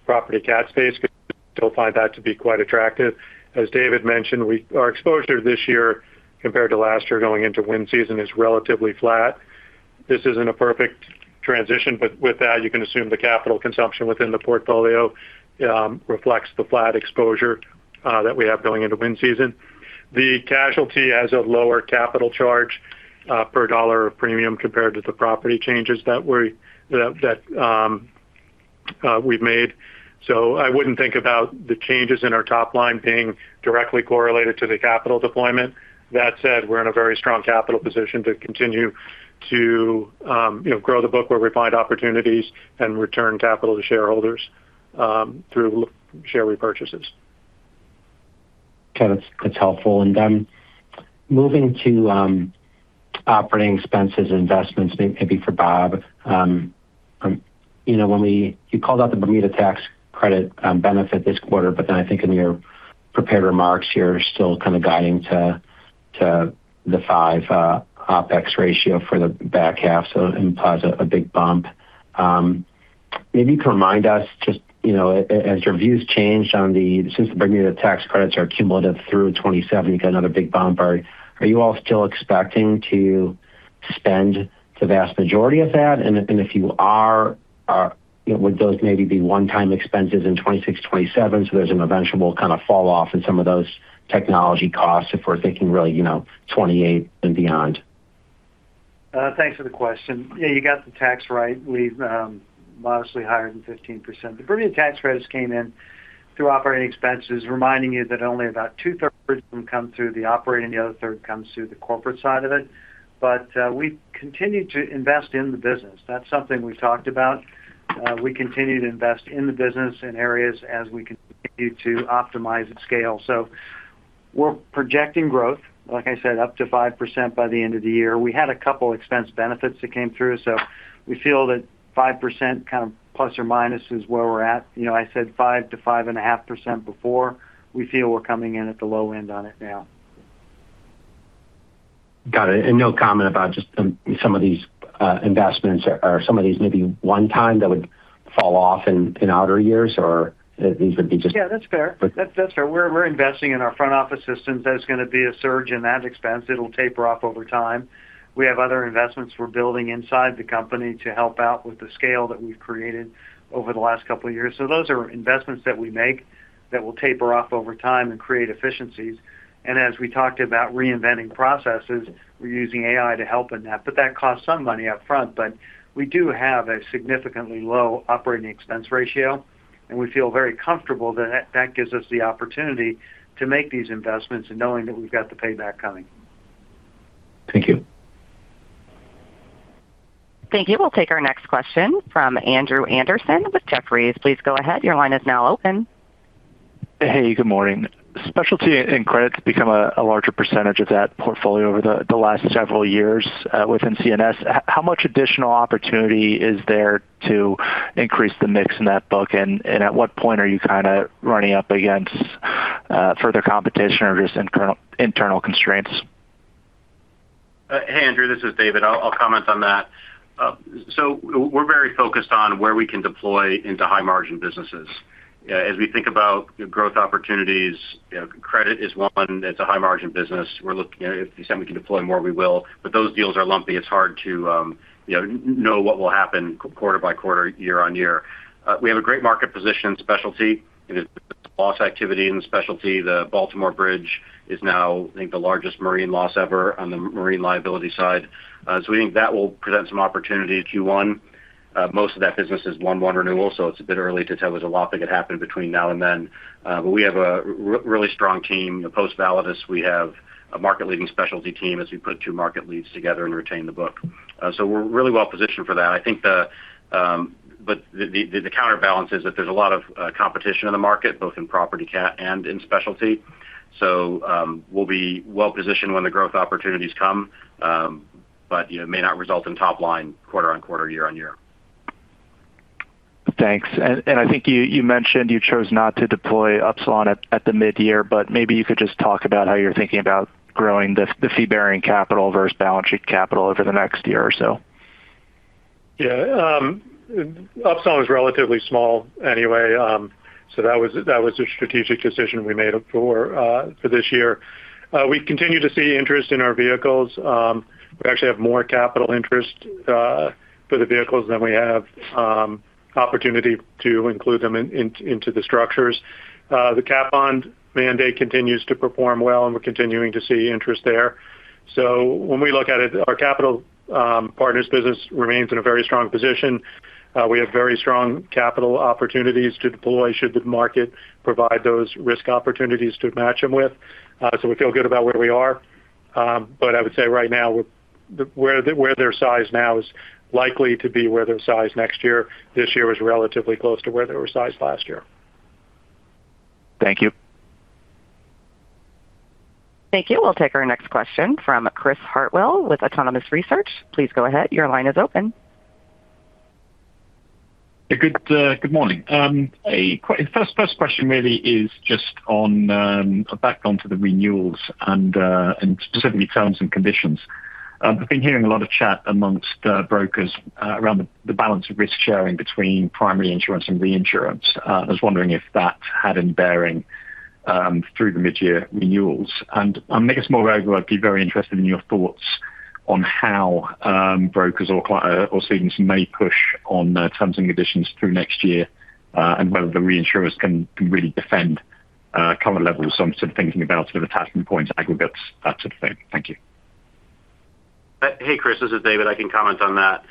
property cat space because we still find that to be quite attractive. As David mentioned, our exposure this year compared to last year going into wind season is relatively flat. This isn't a perfect transition, but with that, you can assume the capital consumption within the portfolio reflects the flat exposure that we have going into wind season. The casualty has a lower capital charge per dollar of premium compared to the property changes that we've made. I wouldn't think about the changes in our top line being directly correlated to the capital deployment. That said, we're in a very strong capital position to continue to grow the book where we find opportunities and return capital to shareholders through share repurchases. Okay, that's helpful. Moving to operating expenses, investments, maybe for Bob. You called out the Bermuda tax credit benefit this quarter, I think in your prepared remarks, you're still kind of guiding to the 5% OpEx ratio for the back half, implies a big bump. Maybe to remind us, just as your views changed on the, since the Bermuda tax credits are cumulative through 2027, you've got another big bump. Are you all still expecting to spend the vast majority of that? If you are, would those maybe be one-time expenses in 2026, 2027, there's an eventual kind of fall off in some of those technology costs if we're thinking really 2028 and beyond? Thanks for the question. Yeah, you got the tax right. We've modestly higher than 15%. The Bermuda tax credits came in through operating expenses, reminding you that only about 2/3 of them come through the operating, the other third comes through the corporate side of it. We continue to invest in the business. That's something we've talked about. We continue to invest in the business in areas as we continue to optimize at scale. We're projecting growth, like I said, up to 5% by the end of the year. We had a couple expense benefits that came through. We feel that 5% kind of plus or minus is where we're at. I said 5%-5.5% before. We feel we're coming in at the low end on it now. Got it. No comment about just some of these investments or some of these maybe one time that would fall off in outer years, or these would be? Yeah, that's fair. We're investing in our front office systems. That's going to be a surge in that expense. It'll taper off over time. We have other investments we're building inside the company to help out with the scale that we've created over the last couple of years. Those are investments that we make that will taper off over time and create efficiencies. As we talked about reinventing processes, we're using AI to help in that, but that costs some money up front. We do have a significantly low operating expense ratio, and we feel very comfortable that that gives us the opportunity to make these investments and knowing that we've got the payback coming. Thank you. Thank you. We'll take our next question from Andrew Andersen with Jefferies. Please go ahead. Your line is now open. Hey, good morning. Specialty and credit's become a larger percentage of that portfolio over the last several years within C&S. How much additional opportunity is there to increase the mix in that book? At what point are you running up against further competition or just internal constraints? Hey, Andrew, this is David. I'll comment on that. We're very focused on where we can deploy into high margin businesses. As we think about growth opportunities, credit is one that's a high margin business. We're looking, if you said we can deploy more, we will, those deals are lumpy. It's hard to know what will happen quarter-by-quarter, year-on-year. We have a great market position in specialty and loss activity in specialty. The Baltimore Bridge is now, I think, the largest marine loss ever on the marine liability side. We think that will present some opportunity in Q1. Most of that business is 1/1 renewal, it's a bit early to tell. There's a lot that could happen between now and then. We have a really strong team. Post Validus, we have a market leading specialty team as we put two market leads together and retain the book. We're really well-positioned for that. I think the counterbalance is that there's a lot of competition in the market, both in property cat and in specialty. We'll be well-positioned when the growth opportunities come, but may not result in top line quarter-on-quarter, year-on-year. Thanks. I think you mentioned you chose not to deploy Upsilon at the mid-year, maybe you could just talk about how you're thinking about growing the fee-bearing capital versus balance sheet capital over the next year or so? Yeah. Upsilon was relatively small anyway, that was a strategic decision we made for this year. We continue to see interest in our vehicles. We actually have more capital interest for the vehicles than we have opportunity to include them into the structures. The cat bond mandate continues to perform well, we're continuing to see interest there. When we look at it, our capital partners business remains in a very strong position. We have very strong capital opportunities to deploy, should the market provide those risk opportunities to match them with. We feel good about where we are. I would say right now, where their size now is likely to be where their size next year. This year was relatively close to where they were sized last year. Thank you. Thank you. We'll take our next question from Chris Hartwell with Autonomous Research. Please go ahead. Your line is open. Good morning. First question really is just back onto the renewals and specifically terms and conditions. I've been hearing a lot of chat amongst brokers around the balance of risk sharing between primary insurance and reinsurance. I was wondering if that had any bearing through the mid-year renewals. I guess more vaguely, I'd be very interested in your thoughts on how brokers or cedents may push on terms and conditions through next year, and whether the reinsurers can really defend current levels. I'm sort of thinking about sort of attachment points, aggregates, that sort of thing. Thank you. Hey, Chris, this is David. I can comment on that.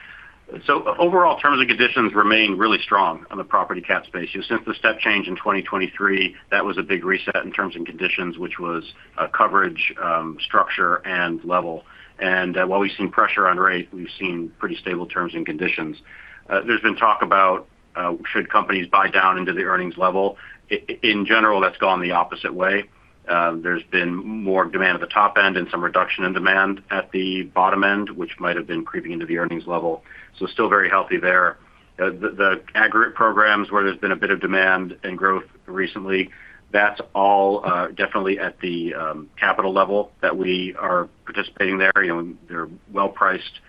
Overall terms and conditions remain really strong on the property cat space. Since the step change in 2023, that was a big reset in terms and conditions, which was coverage, structure, and level. While we've seen pressure on rate, we've seen pretty stable terms and conditions. There's been talk about should companies buy down into the earnings level. In general, that's gone the opposite way. There's been more demand at the top end and some reduction in demand at the bottom end, which might have been creeping into the earnings level. Still very healthy there. The aggregate programs where there's been a bit of demand and growth recently, that's all definitely at the capital level that we are participating there. They're well-priced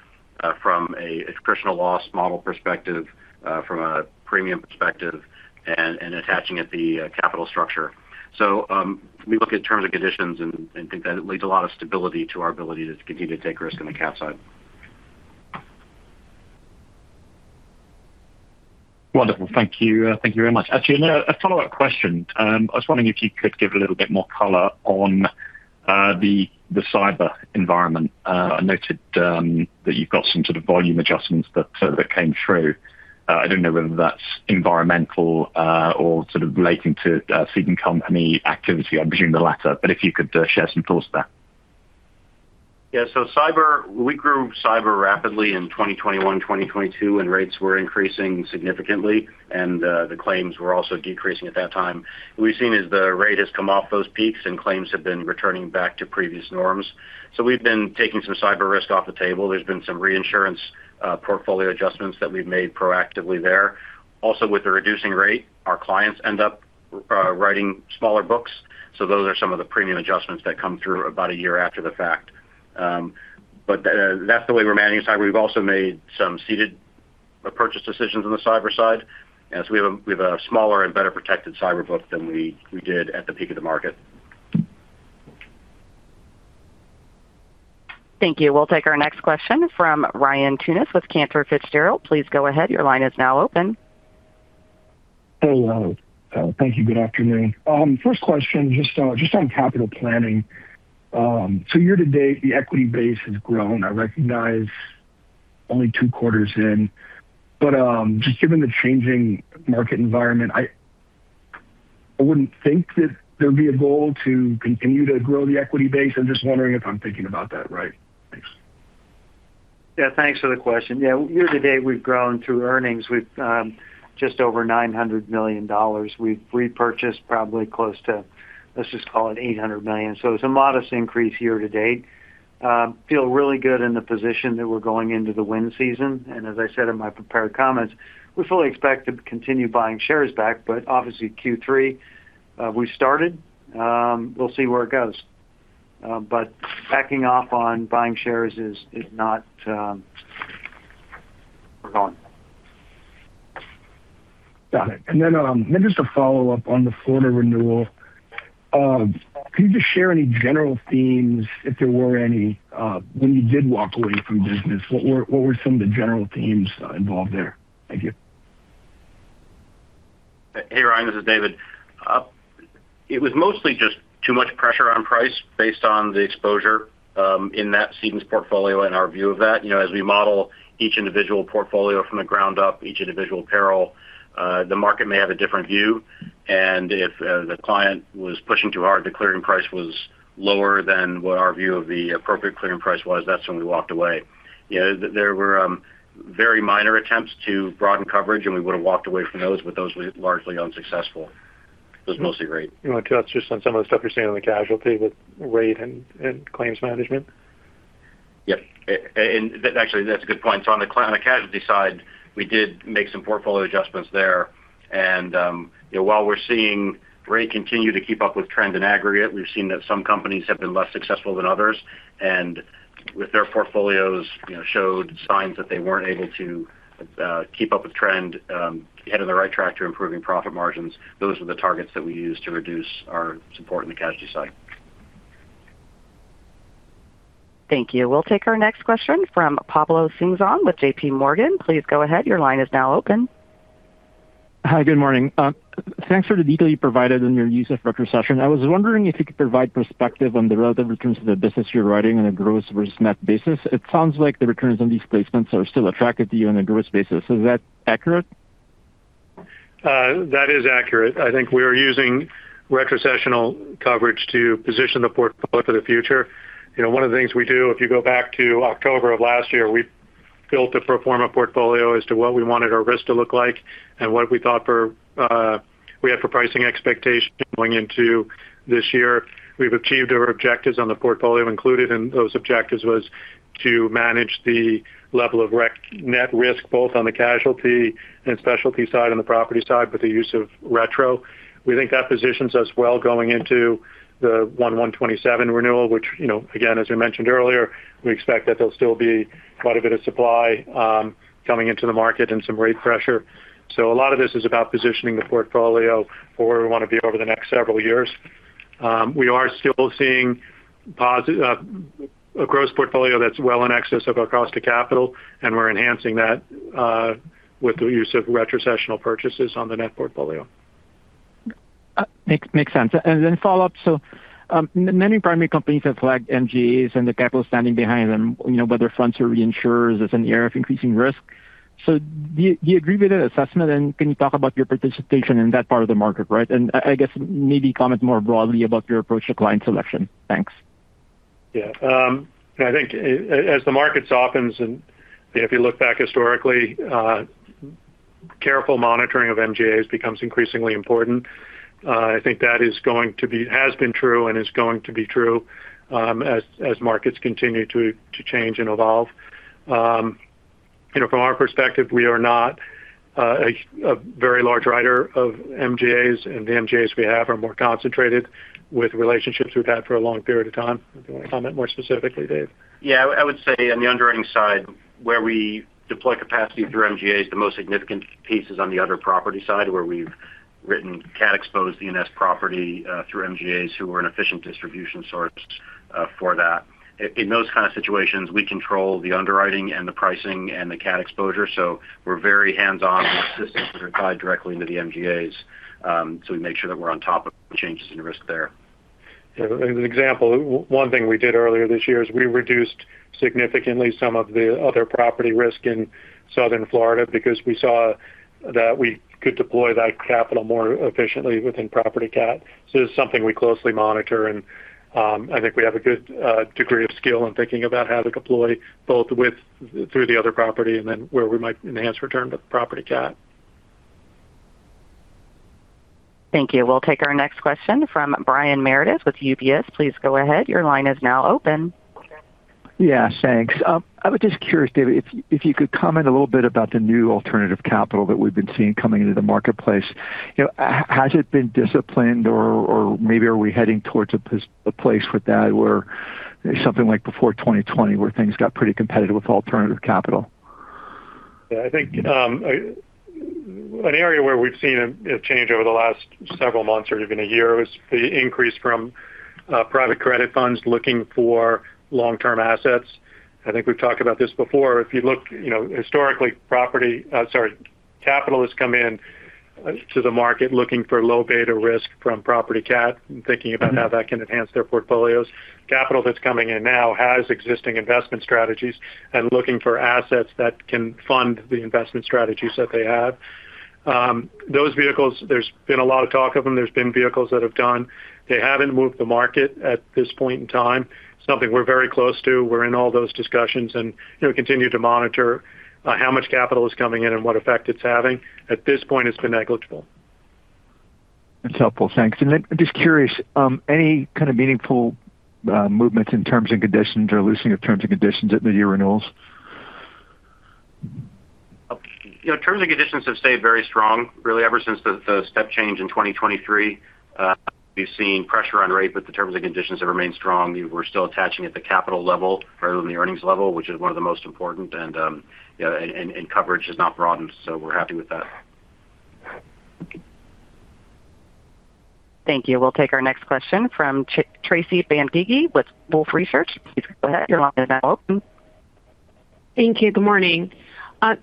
from a personal loss model perspective, from a premium perspective, and attaching at the capital structure. We look at terms and conditions and think that it leads a lot of stability to our ability to continue to take risk on the cat side. Wonderful, thank you very much. Actually, a follow-up question. I was wondering if you could give a little bit more color on the cyber environment. I noted that you've got some sort of volume adjustments that came through. I don't know whether that's environmental or sort of relating to cedent company activity. I presume the latter, but if you could share some thoughts there? Yeah. we grew cyber rapidly in 2021-2022, when rates were increasing significantly and the claims were also decreasing at that time. What we've seen is the rate has come off those peaks and claims have been returning back to previous norms. We've been taking some cyber risk off the table. There's been some reinsurance portfolio adjustments that we've made proactively there. Also with the reducing rate, our clients end up writing smaller books, so those are some of the premium adjustments that come through about a year after the fact. That's the way we're managing cyber. We've also made some ceded purchase decisions on the cyber side. We have a smaller and better protected cyber book than we did at the peak of the market. Thank you. We'll take our next question from Ryan Tunis with Cantor Fitzgerald. Please go ahead. Your line is now open. Thank you, good afternoon. First question, just on capital planning. Year-to-date, the equity base has grown. I recognize only two quarters in, but just given the changing market environment, I wouldn't think that there'd be a goal to continue to grow the equity base. I'm just wondering if I'm thinking about that right. Thanks. Yeah, thanks for the question. Yeah, year-to-date, we've grown through earnings with just over $900 million. We've repurchased probably close to, let's just call it $800 million. It's a modest increase year-to-date. Feel really good in the position that we're going into the wind season, as I said in my prepared comments, we fully expect to continue buying shares back, obviously Q3, we started. We'll see where it goes. Backing off on buying shares is not Got it. Then just a follow-up on the Florida renewal. Can you just share any general themes, if there were any, when you did walk away from business? What were some of the general themes involved there? Thank you. Hey, Ryan, this is David. It was mostly just too much pressure on price based on the exposure, in that cedent's portfolio and our view of that. As we model each individual portfolio from the ground up, each individual peril, the market may have a different view. If the client was pushing too hard, the clearing price was lower than what our view of the appropriate clearing price was, that's when we walked away. There were very minor attempts to broaden coverage, and we would've walked away from those, but those were largely unsuccessful. It was mostly rate. You want to touch just on some of the stuff you're seeing on the casualty with rate and claims management? Yep. Actually, that's a good point. On the casualty side, we did make some portfolio adjustments there. While we're seeing rate continue to keep up with trend in aggregate, we've seen that some companies have been less successful than others. With their portfolios, showed signs that they weren't able to keep up with trend, ahead on the right track to improving profit margins. Those were the targets that we used to reduce our support on the casualty side. Thank you. We'll take our next question from Pablo Singzon with JPMorgan. Please go ahead. Your line is now open. Hi, good morning. Thanks for the detail you provided on your use of retrocession. I was wondering if you could provide perspective on the relative returns of the business you're writing on a gross versus net basis. It sounds like the returns on these placements are still attractive to you on a gross basis. Is that accurate? That is accurate. I think we are using retrocessional coverage to position the portfolio for the future. One of the things we do, if you go back to October of last year, we built a pro forma portfolio as to what we wanted our risk to look like and what we had for pricing expectations going into this year. We've achieved our objectives on the portfolio. Included in those objectives was to manage the level of net risk, both on the Casualty and Specialty side, on the property side, with the use of retro. We think that positions us well going into the 1/1/2027 renewal, which again, as we mentioned earlier, we expect that there'll still be quite a bit of supply coming into the market and some rate pressure. A lot of this is about positioning the portfolio for where we want to be over the next several years. We are still seeing a gross portfolio that's well in excess of our cost of capital, and we're enhancing that with the use of retrocessional purchases on the net portfolio. Makes sense. Follow-up, many primary companies have flagged MGA and the capital standing behind them, whether funds or reinsurers as an area of increasing risk. Do you agree with that assessment and can you talk about your participation in that part of the market, right? I guess maybe comment more broadly about your approach to client selection. Thanks. I think as the market softens, if you look back historically, careful monitoring of MGA becomes increasingly important. I think that has been true and is going to be true as markets continue to change and evolve. From our perspective, we are not a very large writer of MGA, and the MGA we have are more concentrated with relationships we've had for a long period of time. Do you want to comment more specifically, Dave? I would say on the underwriting side, where we deploy capacity through MGA, the most significant piece is on the other property side, where we've written cat exposed D&S property through MGA who are an efficient distribution source for that. In those kind of situations, we control the underwriting and the pricing and the cat exposure, we're very hands-on with systems that are tied directly into the MGA. We make sure that we're on top of changes in risk there. As an example, one thing we did earlier this year is we reduced significantly some of the other property risk in Southern Florida because we saw that we could deploy that capital more efficiently within property cat. It is something we closely monitor, and I think we have a good degree of skill in thinking about how to deploy both through the other property and then where we might enhance return to property cat. Thank you. We'll take our next question from Brian Meredith with UBS. Please go ahead. Your line is now open. Yeah, thanks. I was just curious, David, if you could comment a little bit about the new alternative capital that we've been seeing coming into the marketplace. Has it been disciplined or maybe are we heading towards a place with that where something like before 2020, where things got pretty competitive with alternative capital? Yeah, I think an area where we've seen a change over the last several months or even a year is the increase from private credit funds looking for long-term assets. I think we've talked about this before. If you look historically, capital has come in to the market looking for low beta risk from property cat and thinking about how that can enhance their portfolios. Capital that's coming in now has existing investment strategies and looking for assets that can fund the investment strategies that they have. Those vehicles, there's been a lot of talk of them. There's been vehicles that have gone. They haven't moved the market at this point in time. It's something we're very close to. We're in all those discussions and continue to monitor how much capital is coming in and what effect it's having. At this point, it's been negligible. That's helpful. Thanks. Then just curious, any kind of meaningful movements in terms and conditions or loosening of terms and conditions at the year renewals? Terms and conditions have stayed very strong really ever since the step change in 2023. We've seen pressure on rate, but the terms and conditions have remained strong. We're still attaching at the capital level rather than the earnings level, which is one of the most important, and coverage has not broadened, so we're happy with that. Thank you. We'll take our next question from Tracy Benguigui with Wolfe Research. Please go ahead. Your line is now open. Thank you, good morning.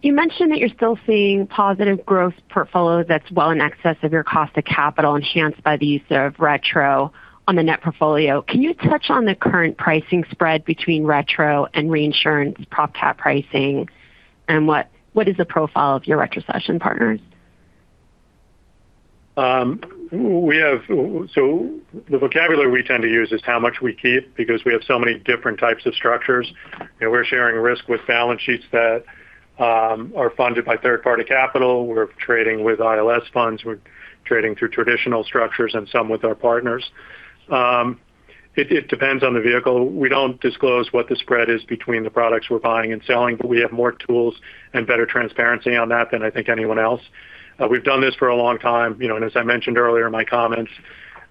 You mentioned that you're still seeing positive growth per follow that's well in excess of your cost of capital enhanced by the use of retro on the net portfolio. Can you touch on the current pricing spread between retro and reinsurance prop cap pricing, and what is the profile of your retrocession partners? The vocabulary we tend to use is how much we keep, because we have so many different types of structures. We're sharing risk with balance sheets that are funded by third-party capital. We're trading with ILS funds, we're trading through traditional structures and some with our partners. It depends on the vehicle. We don't disclose what the spread is between the products we're buying and selling, but we have more tools and better transparency on that than I think anyone else. We've done this for a long time, and as I mentioned earlier in my comments,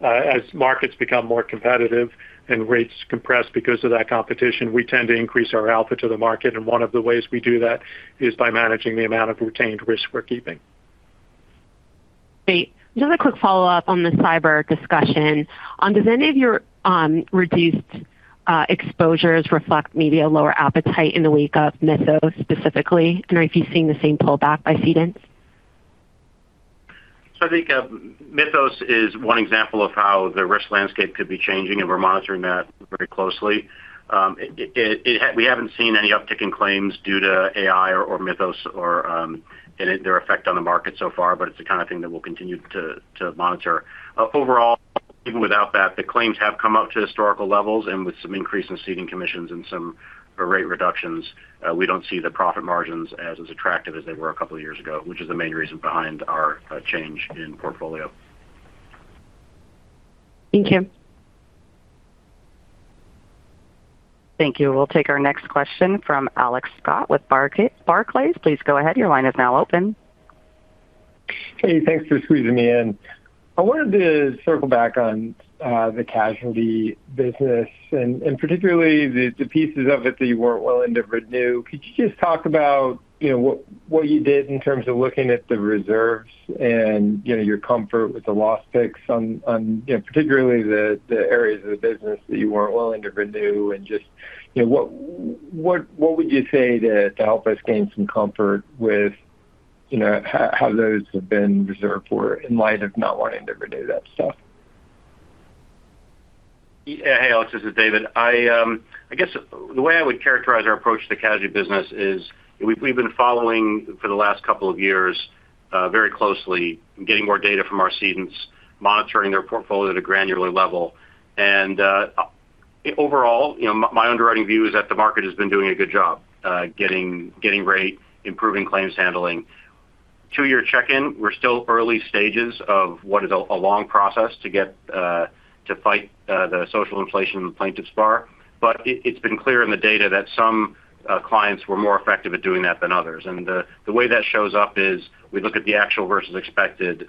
as markets become more competitive and rates compress because of that competition, we tend to increase our output to the market, and one of the ways we do that is by managing the amount of retained risk we're keeping. Great. Just a quick follow-up on the cyber discussion. Does any of your reduced exposures reflect maybe a lower appetite in the wake of Mythos specifically? Are you seeing the same pullback by cedents? I think Mythos is one example of how the risk landscape could be changing, and we're monitoring that very closely. We haven't seen any uptick in claims due to AI or Mythos or their effect on the market so far, but it's the kind of thing that we'll continue to monitor. Overall, even without that, the claims have come up to historical levels, and with some increase in ceding commissions and some rate reductions, we don't see the profit margins as attractive as they were a couple of years ago, which is the main reason behind our change in portfolio. Thank you. Thank you. We'll take our next question from Alex Scott with Barclays. Please go ahead. Your line is now open. Hey, thanks for squeezing me in. I wanted to circle back on the casualty business and particularly the pieces of it that you weren't willing to renew. Could you just talk about what you did in terms of looking at the reserves and your comfort with the loss picks on particularly the areas of the business that you weren't willing to renew and just what would you say to help us gain some comfort with how those have been reserved for in light of not wanting to renew that stuff? Hey, Alex, this is David. I guess the way I would characterize our approach to the casualty business is we've been following for the last couple of years very closely, getting more data from our cedents, monitoring their portfolio at a granular level. Overall, my underwriting view is that the market has been doing a good job getting rate, improving claims handling. Two-year check-in, we're still early stages of what is a long process to fight the social inflation plaintiffs bar. It's been clear in the data that some clients were more effective at doing that than others, and the way that shows up is we look at the actual versus expected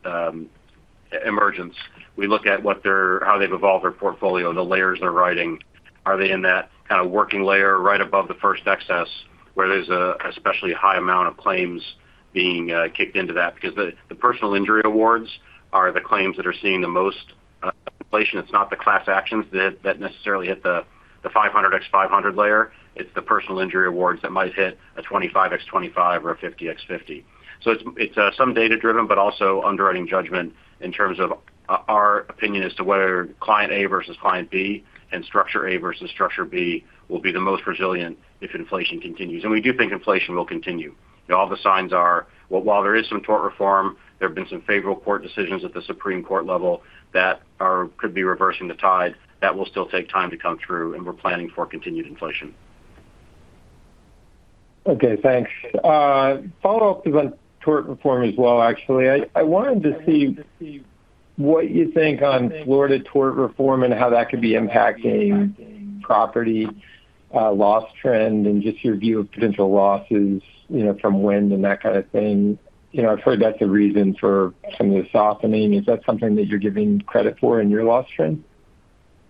emergence. We look at how they've evolved their portfolio, the layers they're writing. Are they in that kind of working layer right above the first excess where there's an especially high amount of claims being kicked into that? Because the personal injury awards are the claims that are seeing the most inflation. It's not the class actions that necessarily hit the 500x500 layer. It's the personal injury awards that might hit a 25x25 or a 50x50. It's some data-driven, but also underwriting judgment in terms of our opinion as to whether client A versus client B and structure A versus structure B will be the most resilient if inflation continues. We do think inflation will continue. All the signs are, while there is some tort reform, there have been some favorable court decisions at the Supreme Court level that could be reversing the tide. That will still take time to come through, and we're planning for continued inflation. Okay, thanks. Follow-up to the tort reform as well, actually. I wanted to see what you think on Florida tort reform and how that could be impacting property loss trend and just your view of potential losses from wind and that kind of thing. I've heard that's a reason for some of the softening. Is that something that you're giving credit for in your loss trend?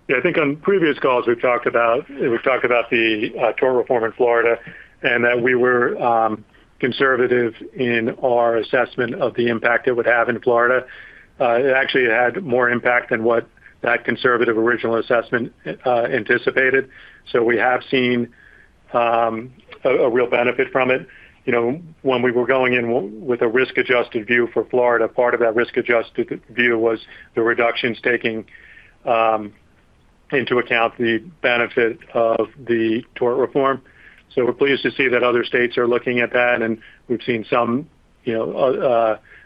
Yeah, I think on previous calls we've talked about the tort reform in Florida, and that we were conservative in our assessment of the impact it would have in Florida. It actually had more impact than what that conservative original assessment anticipated. We have seen a real benefit from it. When we were going in with a risk-adjusted view for Florida, part of that risk-adjusted view was the reductions taking into account the benefit of the tort reform. We're pleased to see that other states are looking at that, and we've seen some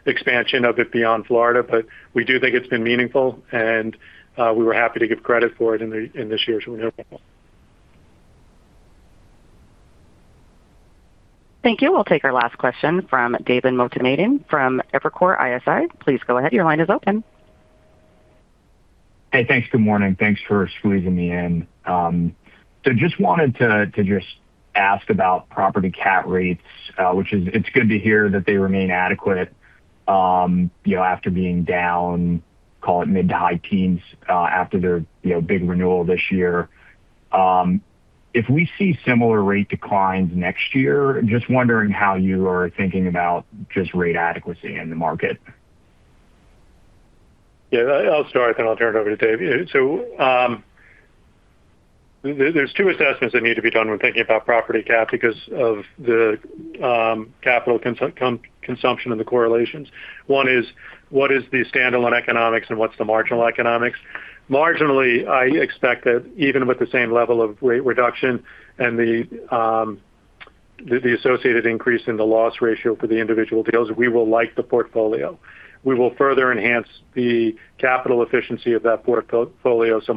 expansion of it beyond Florida. We do think it's been meaningful, and we were happy to give credit for it in this year's renewal. Thank you. We'll take our last question from David Motemaden from Evercore ISI. Please go ahead. Your line is open. Hey, thanks. Good morning, thanks for squeezing me in. Just wanted to just ask about property cat rates, which it's good to hear that they remain adequate after being down, call it mid to high teens after their big renewal this year. If we see similar rate declines next year, just wondering how you are thinking about just rate adequacy in the market. Yeah. I'll start, then I'll turn it over to Dave. There's two assessments that need to be done when thinking about property cat because of the capital consumption and the correlations. One is what is the standalone economics and what's the marginal economics? Marginally, I expect that even with the same level of rate reduction and the associated increase in the loss ratio for the individual deals, we will like the portfolio. We will further enhance the capital efficiency of that portfolio, so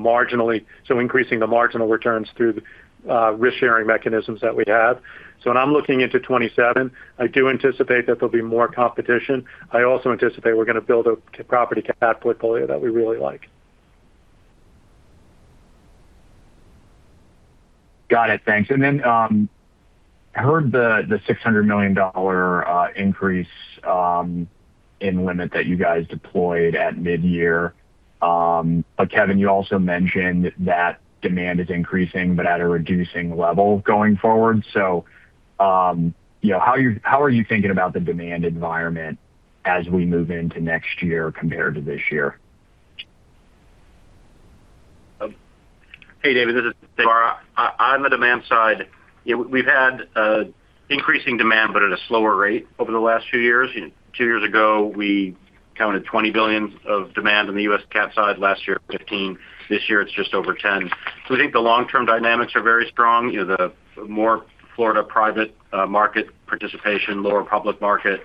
increasing the marginal returns through the risk-sharing mechanisms that we have. When I'm looking into 2027, I do anticipate that there'll be more competition. I also anticipate we're going to build a property cat portfolio that we really like. Got it, thanks. I heard the $600 million increase in limit that you guys deployed at mid-year. Kevin, you also mentioned that demand is increasing, but at a reducing level going forward. How are you thinking about the demand environment as we move into next year compared to this year? Hey, David, this is Dave Marra. On the demand side, we've had increasing demand but at a slower rate over the last few years. Two years ago, we counted $20 billion of demand on the U.S. cat side, last year, $15 billion. This year, it's just over $10 billion. We think the long-term dynamics are very strong. The more Florida private market participation, lower public market,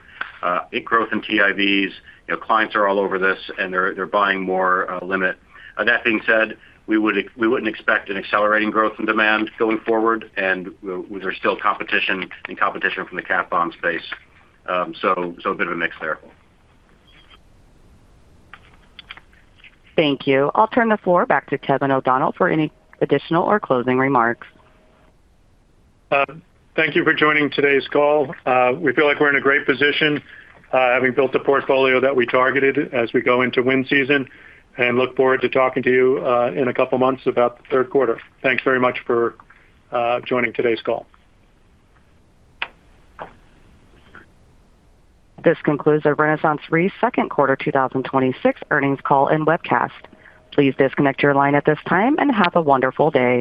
big growth in TIVs. Clients are all over this, and they're buying more limit. That being said, we wouldn't expect an accelerating growth in demand going forward, and there's still competition and competition from the cat bond space. A bit of a mix there. Thank you. I'll turn the floor back to Kevin O'Donnell for any additional or closing remarks. Thank you for joining today's call. We feel like we're in a great position, having built a portfolio that we targeted as we go into wind season, and look forward to talking to you in a couple of months about the third quarter. Thanks very much for joining today's call. This concludes our RenaissanceRe second quarter 2026 earnings call and webcast. Please disconnect your line at this time, and have a wonderful day.